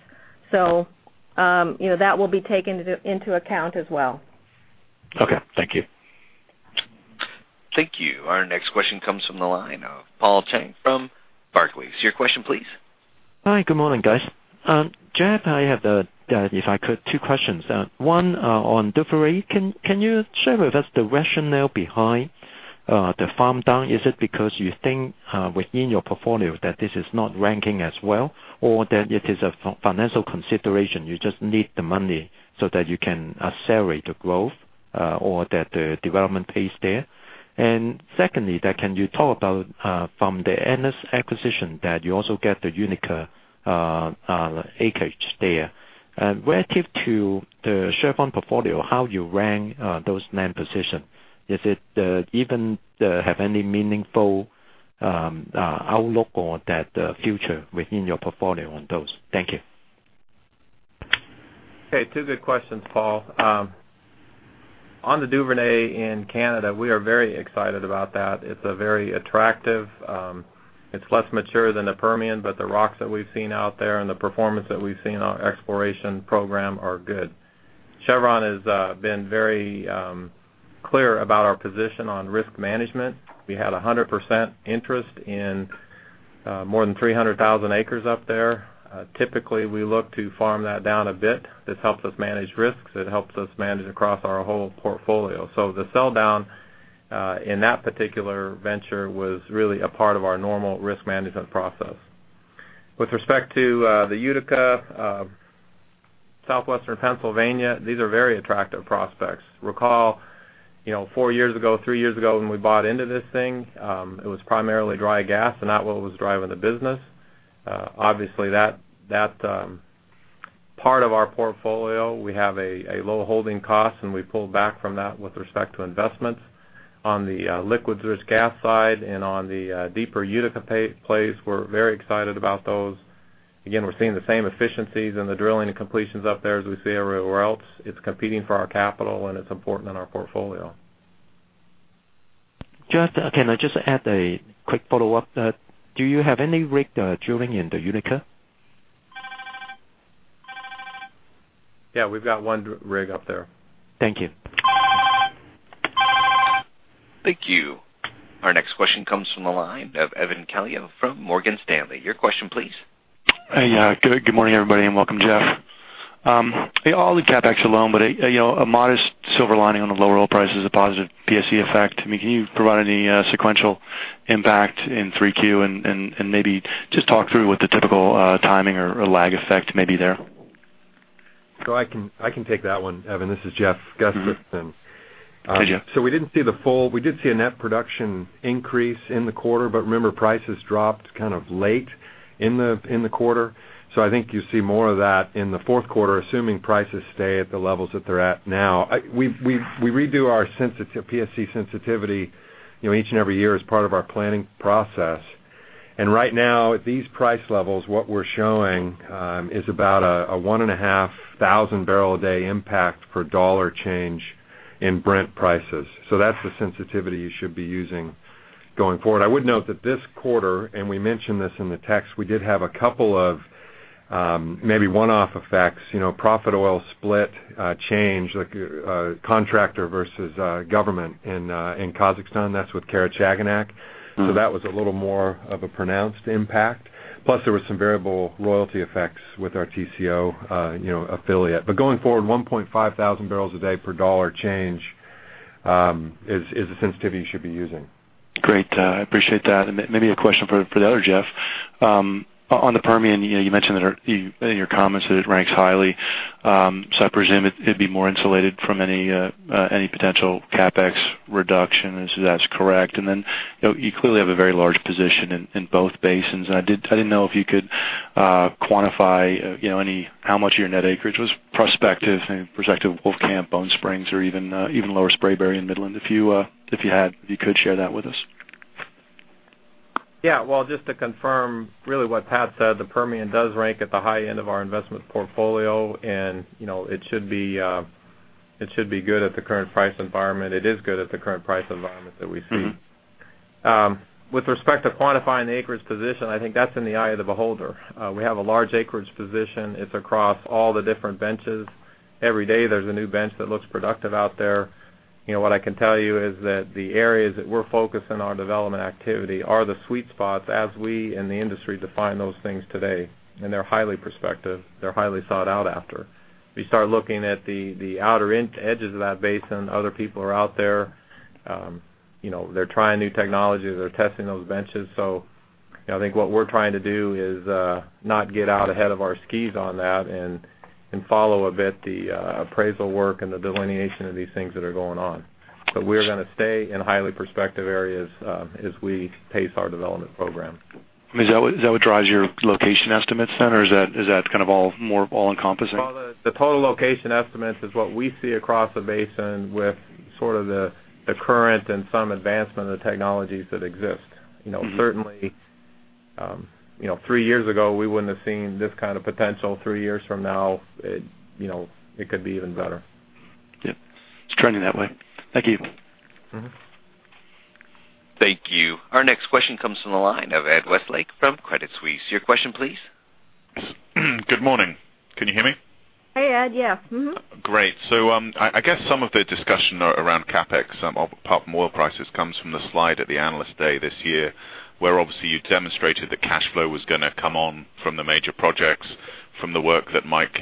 That will be taken into account as well. Okay. Thank you. Thank you. Our next question comes from the line of Paul Cheng from Barclays. Your question, please. Hi. Good morning, guys. Jeff, I have, if I could, two questions. One on Duvernay. Can you share with us the rationale behind the farm down, is it because you think within your portfolio that this is not ranking as well, or that it is a financial consideration, you just need the money so that you can accelerate the growth or the development pace there? Secondly, can you talk about from the Aneth acquisition that you also get the Utica acreage there. Relative to the Chevron portfolio, how you rank those land position? Is it even have any meaningful outlook or that future within your portfolio on those? Thank you. Okay. Two good questions, Paul. On the Duvernay in Canada, we are very excited about that. It's less mature than the Permian, but the rocks that we've seen out there and the performance that we've seen on our exploration program are good. Chevron has been very clear about our position on risk management. We had 100% interest in more than 300,000 acres up there. Typically, we look to farm that down a bit. This helps us manage risks. It helps us manage across our whole portfolio. The sell down, in that particular venture, was really a part of our normal risk management process. With respect to the Utica, Southwestern Pennsylvania, these are very attractive prospects. Recall four years ago, three years ago, when we bought into this thing, it was primarily dry gas, and that was what was driving the business. Obviously, that part of our portfolio, we have a low holding cost, and we pulled back from that with respect to investments. On the liquids-rich gas side and on the deeper Utica plays, we're very excited about those. Again, we're seeing the same efficiencies in the drilling and completions up there as we see everywhere else. It's competing for our capital, and it's important in our portfolio. Can I just add a quick follow-up? Do you have any rig drilling in the Utica? Yeah, we've got one rig up there. Thank you. Thank you. Our next question comes from the line of Evan Calio from Morgan Stanley. Your question, please. Hey. Good morning, everybody, and welcome, Jeff. I'll leave CapEx alone, a modest silver lining on the lower oil price is a positive PSE effect. Can you provide any sequential impact in Q3 and maybe just talk through what the typical timing or lag effect may be there? I can take that one, Evan. This is Jeff Gustavson. Hi, Jeff. We did see a net production increase in the quarter, but remember, prices dropped late in the quarter. I think you see more of that in the fourth quarter, assuming prices stay at the levels that they're at now. We redo our PSE sensitivity each and every year as part of our planning process. Right now, at these price levels, what we're showing is about a 1,500 barrel a day impact per dollar change in Brent prices. That's the sensitivity you should be using going forward. I would note that this quarter, and we mentioned this in the text, we did have a couple of maybe one-off effects. Profit oil split change, like contractor versus government in Kazakhstan. That's with Karachaganak. That was a little more of a pronounced impact. Plus, there was some variable royalty effects with our Tengizchevroil affiliate. Going forward, 1.5 thousand barrels a day per dollar change is the sensitivity you should be using. Great. I appreciate that. Maybe a question for the other Jeff. On the Permian, you mentioned in your comments that it ranks highly. I presume it'd be more insulated from any potential CapEx reduction, if that's correct. You clearly have a very large position in both basins. I didn't know if you could quantify how much of your net acreage was prospective Wolfcamp, Bone Spring, or even Lower Spraberry in Midland. If you had, if you could share that with us. Yeah. Well, just to confirm really what Pat said, the Permian does rank at the high end of our investment portfolio, and it should be good at the current price environment. It is good at the current price environment that we see. With respect to quantifying the acreage position, I think that's in the eye of the beholder. We have a large acreage position. It's across all the different benches. Every day, there's a new bench that looks productive out there. What I can tell you is that the areas that we're focused on our development activity are the sweet spots as we in the industry define those things today, and they're highly prospective. They're highly sought out after. We start looking at the outer edges of that basin. Other people are out there. They're trying new technologies. They're testing those benches. I think what we're trying to do is not get out ahead of our skis on that and follow a bit the appraisal work and the delineation of these things that are going on. We're going to stay in highly prospective areas as we pace our development program. Is that what drives your location estimates then, or is that all-encompassing? Well, the total location estimates is what we see across the basin with sort of the current and some advancement of the technologies that exist. Certainly three years ago, we wouldn't have seen this kind of potential. Three years from now, it could be even better. Yeah. It's trending that way. Thank you. Thank you. Our next question comes from the line of Ed Westlake from Credit Suisse. Your question, please? Good morning. Go ahead. Yeah. I guess some of the discussion around CapEx, apart from oil prices, comes from the slide at the Analyst Day this year, where obviously you demonstrated the cash flow was going to come on from the major projects, from the work that Mike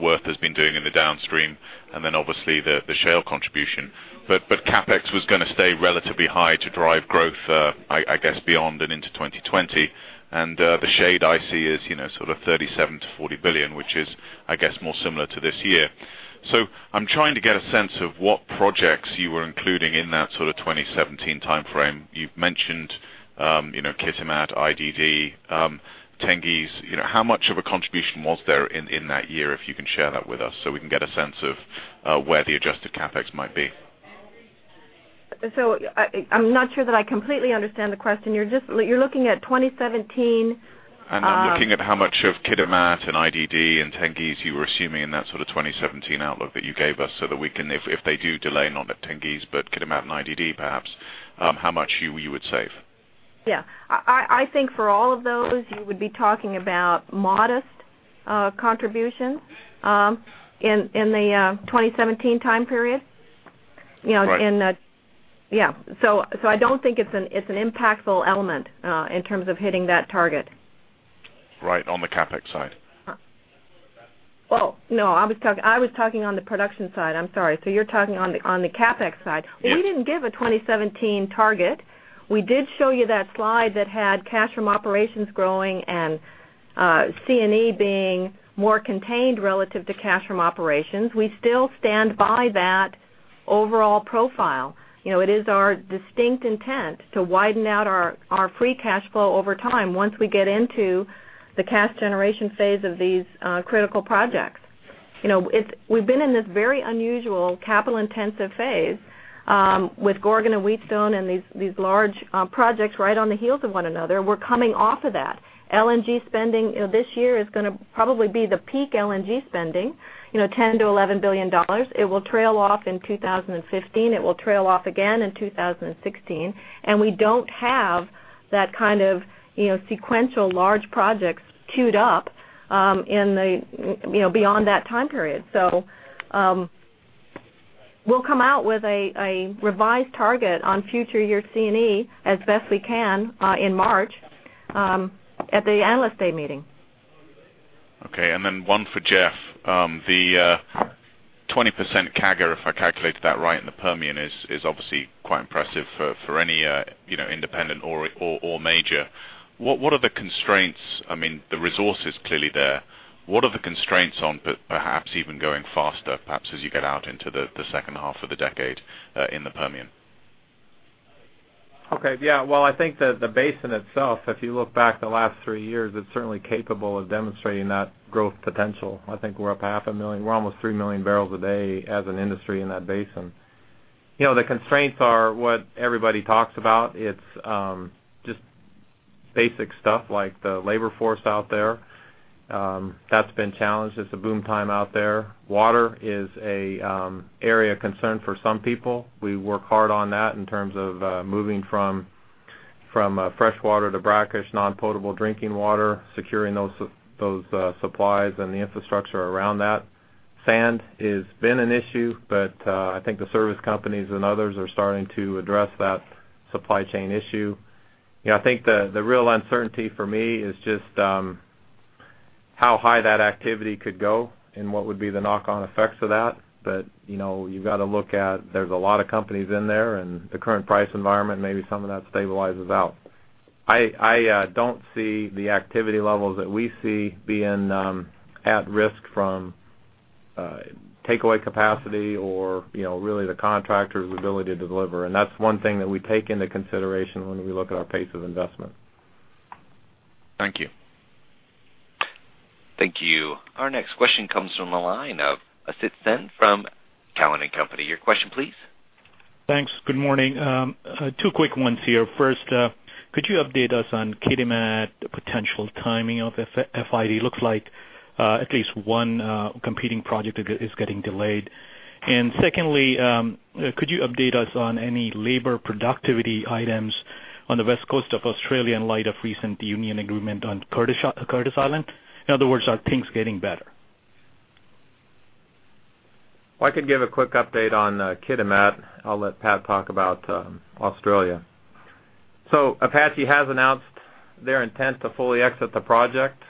Wirth has been doing in the downstream, and then obviously the shale contribution. CapEx was going to stay relatively high to drive growth, I guess, beyond and into 2020. The shade I see is sort of $37 billion-$40 billion, which is, I guess, more similar to this year. I'm trying to get a sense of what projects you were including in that sort of 2017 timeframe. You've mentioned Kitimat, IDD, Tengiz. How much of a contribution was there in that year, if you can share that with us so we can get a sense of where the adjusted CapEx might be? I'm not sure that I completely understand the question. You're looking at 2017- I'm looking at how much of Kitimat and IDD and Tengiz you were assuming in that sort of 2017 outlook that you gave us so that we can, if they do delay, not at Tengiz but Kitimat and IDD perhaps, how much you would save. Yeah. I think for all of those, you would be talking about modest contribution in the 2017 time period. Right. Yeah. I don't think it's an impactful element in terms of hitting that target. Right. On the CapEx side. Oh, no, I was talking on the production side. I'm sorry. You're talking on the CapEx side. Yeah. We didn't give a 2017 target. We did show you that slide that had cash from operations growing and C&E being more contained relative to cash from operations. We still stand by that overall profile. It is our distinct intent to widen out our free cash flow over time once we get into the cash generation phase of these critical projects. We've been in this very unusual capital-intensive phase with Gorgon and Wheatstone and these large projects right on the heels of one another. We're coming off of that. LNG spending this year is going to probably be the peak LNG spending, $10 billion-$11 billion. It will trail off in 2015. It will trail off again in 2016. We don't have that kind of sequential large projects queued up beyond that time period. We'll come out with a revised target on future year C&E as best we can in March at the Analyst Day meeting. Okay, one for Jeff. The 20% CAGR, if I calculated that right in the Permian, is obviously quite impressive for any independent or major. What are the constraints? I mean, the resource is clearly there. What are the constraints on perhaps even going faster, perhaps as you get out into the second half of the decade in the Permian? Okay. Yeah. Well, I think that the basin itself, if you look back the last three years, it's certainly capable of demonstrating that growth potential. I think we're up half a million. We're almost 3 million barrels a day as an industry in that basin. The constraints are what everybody talks about. It's just basic stuff like the labor force out there. That's been challenged. It's a boom time out there. Water is an area of concern for some people. We work hard on that in terms of moving from freshwater to brackish non-potable drinking water, securing those supplies and the infrastructure around that. Sand has been an issue, but I think the service companies and others are starting to address that supply chain issue. I think the real uncertainty for me is just how high that activity could go and what would be the knock-on effects of that. You've got to look at, there's a lot of companies in there, and the current price environment, maybe some of that stabilizes out. I don't see the activity levels that we see being at risk from takeaway capacity or really the contractor's ability to deliver. That's one thing that we take into consideration when we look at our pace of investment. Thank you. Thank you. Our next question comes from the line of Asit Sen from Cowen and Company. Your question, please. Thanks. Good morning. Two quick ones here. First, could you update us on Kitimat potential timing of FID? Looks like at least one competing project is getting delayed. Secondly, could you update us on any labor productivity items on the west coast of Australia in light of recent union agreement on Curtis Island? In other words, are things getting better? I could give a quick update on Kitimat. I'll let Pat talk about Australia. Apache has announced their intent to fully exit the project.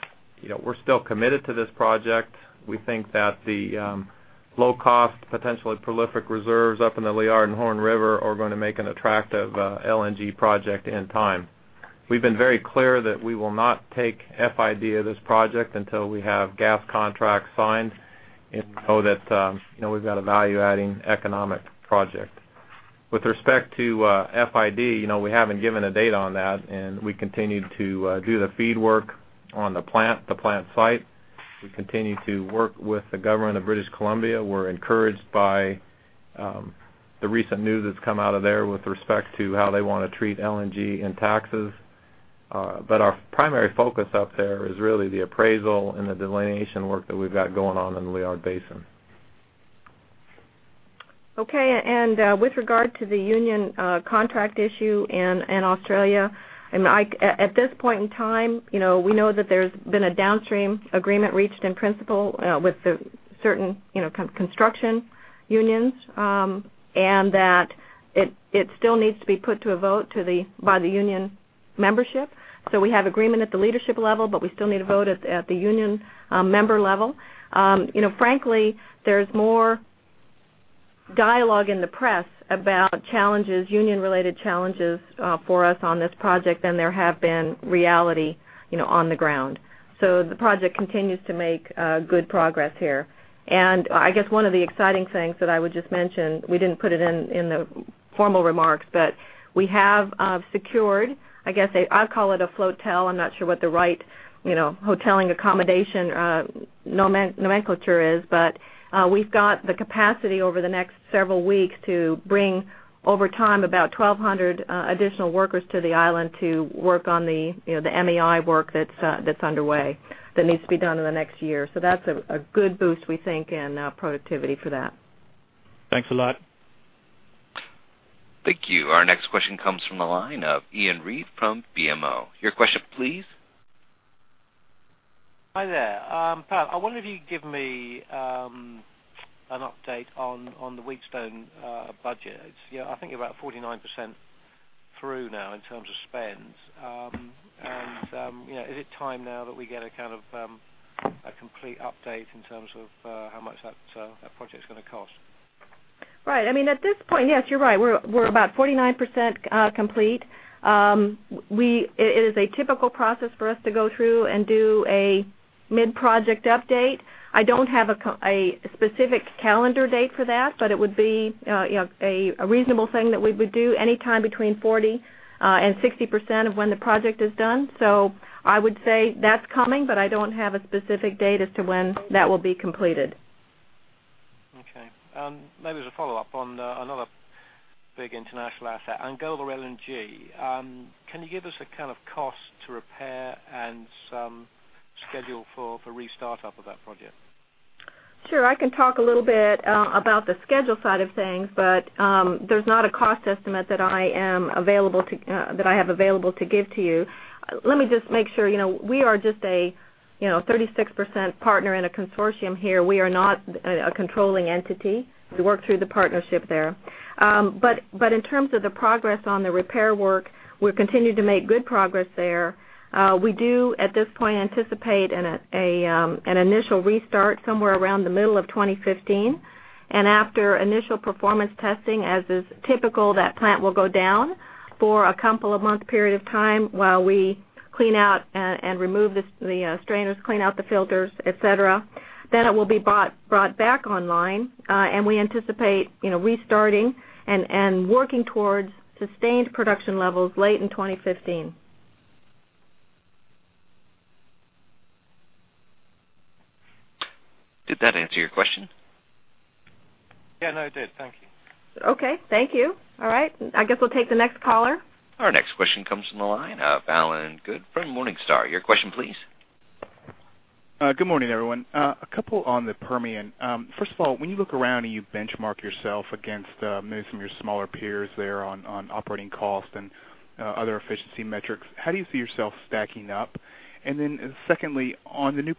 We're still committed to this project. We think that the low cost, potentially prolific reserves up in the Liard and Horn River are going to make an attractive LNG project in time. We've been very clear that we will not take FID of this project until we have gas contracts signed and know that we've got a value-adding economic project. With respect to FID, we haven't given a date on that, and we continue to do the FEED work on the plant site. We continue to work with the government of British Columbia. We're encouraged by the recent news that's come out of there with respect to how they want to treat LNG in taxes. Our primary focus up there is really the appraisal and the delineation work that we've got going on in Liard Basin. Okay. With regard to the union contract issue in Australia, at this point in time, we know that there's been a downstream agreement reached in principle with the certain construction unions, and that it still needs to be put to a vote by the union membership. We have agreement at the leadership level, but we still need a vote at the union member level. Frankly, there's more dialogue in the press about union-related challenges for us on this project than there have been reality on the ground. The project continues to make good progress here. I guess one of the exciting things that I would just mention, we didn't put it in the formal remarks, but we have secured, I guess, I'll call it a flotel. I'm not sure what the right hoteling accommodation nomenclature is. We've got the capacity over the next several weeks to bring over time, about 1,200 additional workers to the island to work on the MEI work that's underway, that needs to be done in the next year. That's a good boost, we think, in productivity for that. Thanks a lot. Thank you. Our next question comes from the line of Iain Reid from BMO. Your question, please. Hi there. Pat, I wonder if you could give me an update on the Wheatstone budget. I think you're about 49% through now in terms of spend. Is it time now that we get a complete update in terms of how much that project's going to cost? Right. I mean, at this point, yes, you're right. We're about 49% complete. It is a typical process for us to go through and do a mid-project update. I don't have a specific calendar date for that, but it would be a reasonable thing that we would do anytime between 40% and 60% of when the project is done. I would say that's coming, but I don't have a specific date as to when that will be completed. Okay. Maybe as a follow-up on another big international asset, Angola LNG. Can you give us a cost to repair and some schedule for restart up of that project? Sure. I can talk a little bit about the schedule side of things, but there's not a cost estimate that I have available to give to you. Let me just make sure. We are just a 36% partner in a consortium here. We are not a controlling entity. We work through the partnership there. In terms of the progress on the repair work, we're continuing to make good progress there. We do, at this point, anticipate an initial restart somewhere around the middle of 2015. After initial performance testing, as is typical, that plant will go down for a couple of month period of time while we clean out and remove the strainers, clean out the filters, et cetera. It will be brought back online, and we anticipate restarting and working towards sustained production levels late in 2015. Did that answer your question? Yeah, no, it did. Thank you. Okay. Thank you. All right. I guess we'll take the next caller. Our next question comes from the line of Allen Good from Morningstar. Your question, please. Good morning, everyone. A couple on the Permian. First of all, when you look around and you benchmark yourself against maybe some of your smaller peers there on operating cost and other efficiency metrics, how do you see yourself stacking up? Secondly, have you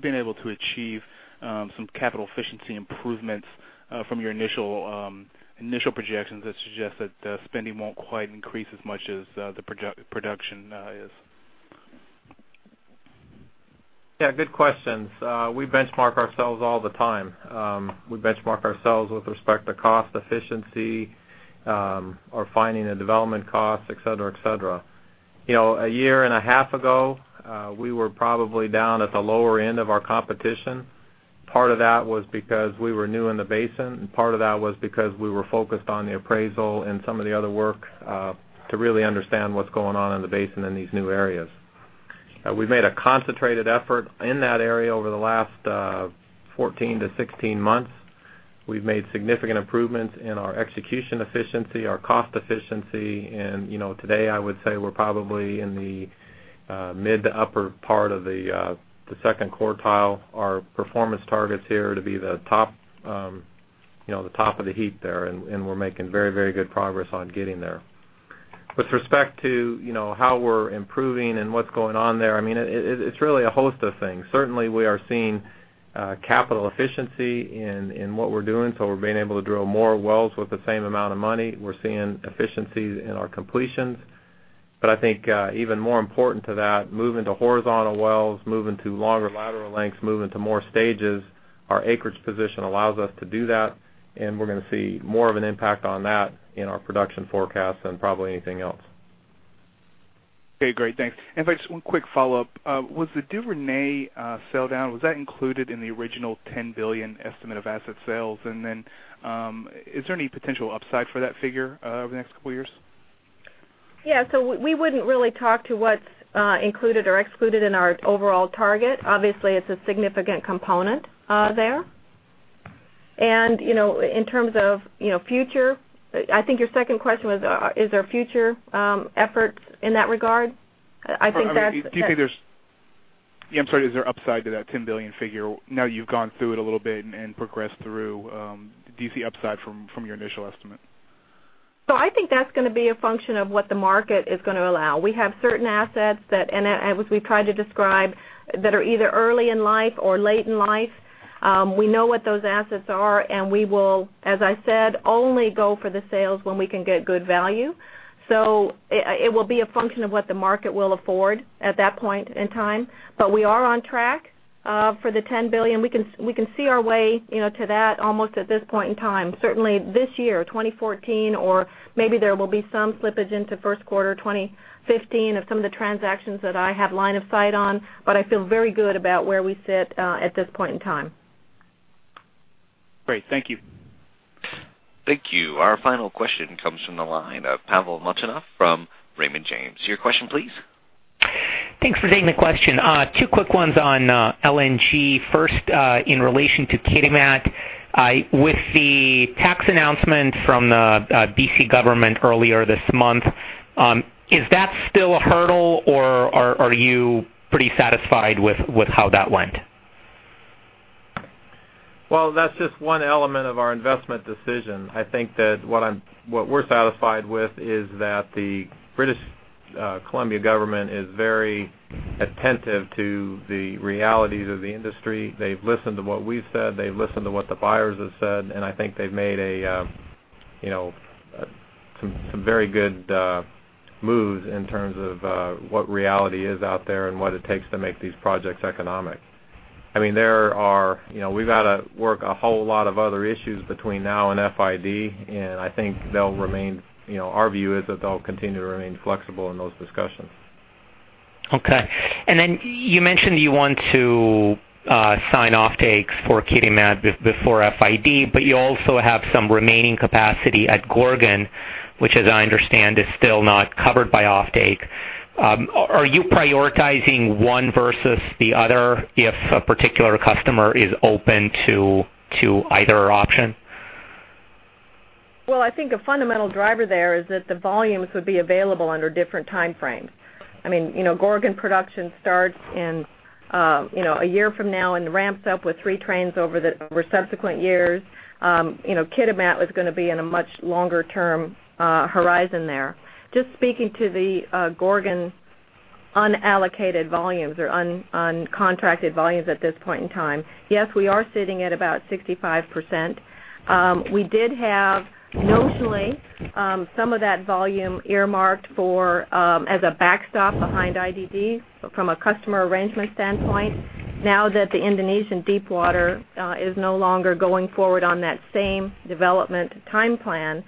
been able to achieve some capital efficiency improvements from your initial projections that suggest that spending won't quite increase as much as the production is? Yeah, good questions. We benchmark ourselves all the time. We benchmark ourselves with respect to cost efficiency or finding the development costs, et cetera. A year and a half ago, we were probably down at the lower end of our competition. Part of that was because we were new in the basin, and part of that was because we were focused on the appraisal and some of the other work to really understand what's going on in the basin in these new areas. We've made a concentrated effort in that area over the last 14-16 months. We've made significant improvements in our execution efficiency, our cost efficiency. Today I would say we're probably in the mid to upper part of the second quartile. Our performance targets here to be the top of the heap there, and we're making very good progress on getting there. With respect to how we're improving and what's going on there, it's really a host of things. Certainly, we are seeing capital efficiency in what we're doing, so we're being able to drill more wells with the same amount of money. We're seeing efficiencies in our completions. I think even more important to that, moving to horizontal wells, moving to longer lateral lengths, moving to more stages, our acreage position allows us to do that, and we're going to see more of an impact on that in our production forecast than probably anything else. Okay, great. Thanks. Just one quick follow-up. Was the Duvernay sell down, was that included in the original $10 billion estimate of asset sales? Is there any potential upside for that figure over the next couple years? Yeah. We wouldn't really talk to what's included or excluded in our overall target. Obviously, it's a significant component there. In terms of future, I think your second question was is there future efforts in that regard? I think that's. I'm sorry. Is there upside to that $10 billion figure now that you've gone through it a little bit and progressed through? Do you see upside from your initial estimate? I think that's going to be a function of what the market is going to allow. We have certain assets that, and as we've tried to describe, that are either early in life or late in life. We know what those assets are, and we will, as I said, only go for the sales when we can get good value. It will be a function of what the market will afford at that point in time. We are on track for the $10 billion. We can see our way to that almost at this point in time. Certainly this year, 2014, or maybe there will be some slippage into first quarter 2015 of some of the transactions that I have line of sight on, but I feel very good about where we sit at this point in time. Great. Thank you. Thank you. Our final question comes from the line of Pavel Molchanov from Raymond James. Your question, please. Thanks for taking the question. Two quick ones on LNG. First, in relation to Kitimat. With the tax announcement from the B.C. government earlier this month, is that still a hurdle, or are you pretty satisfied with how that went? Well, that's just one element of our investment decision. I think that what we're satisfied with is that the British Columbia government is very attentive to the realities of the industry. They've listened to what we've said. They've listened to what the buyers have said, and I think they've made some very good moves in terms of what reality is out there and what it takes to make these projects economic. We've got to work a whole lot of other issues between now and FID, and I think our view is that they'll continue to remain flexible in those discussions. Okay. You mentioned you want to sign offtakes for Kitimat before FID, but you also have some remaining capacity at Gorgon, which as I understand, is still not covered by offtake. Are you prioritizing one versus the other if a particular customer is open to either option? Well, I think a fundamental driver there is that the volumes would be available under different time frames. Gorgon production starts one year from now and ramps up with three trains over subsequent years. Kitimat was going to be in a much longer term horizon there. Just speaking to the Gorgon unallocated volumes or uncontracted volumes at this point in time, yes, we are sitting at about 65%. We did have notionally some of that volume earmarked as a backstop behind IDD from a customer arrangement standpoint. Now that the Indonesian deep water is no longer going forward on that same development time plan,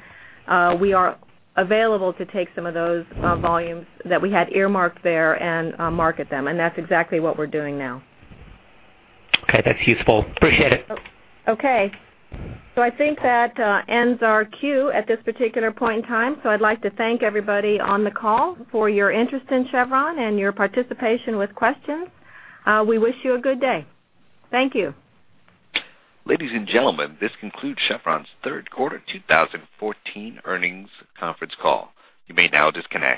we are available to take some of those volumes that we had earmarked there and market them, and that's exactly what we're doing now. Okay. That's useful. Appreciate it. Okay. I think that ends our queue at this particular point in time. I'd like to thank everybody on the call for your interest in Chevron and your participation with questions. We wish you a good day. Thank you. Ladies and gentlemen, this concludes Chevron's third quarter 2014 earnings conference call. You may now disconnect.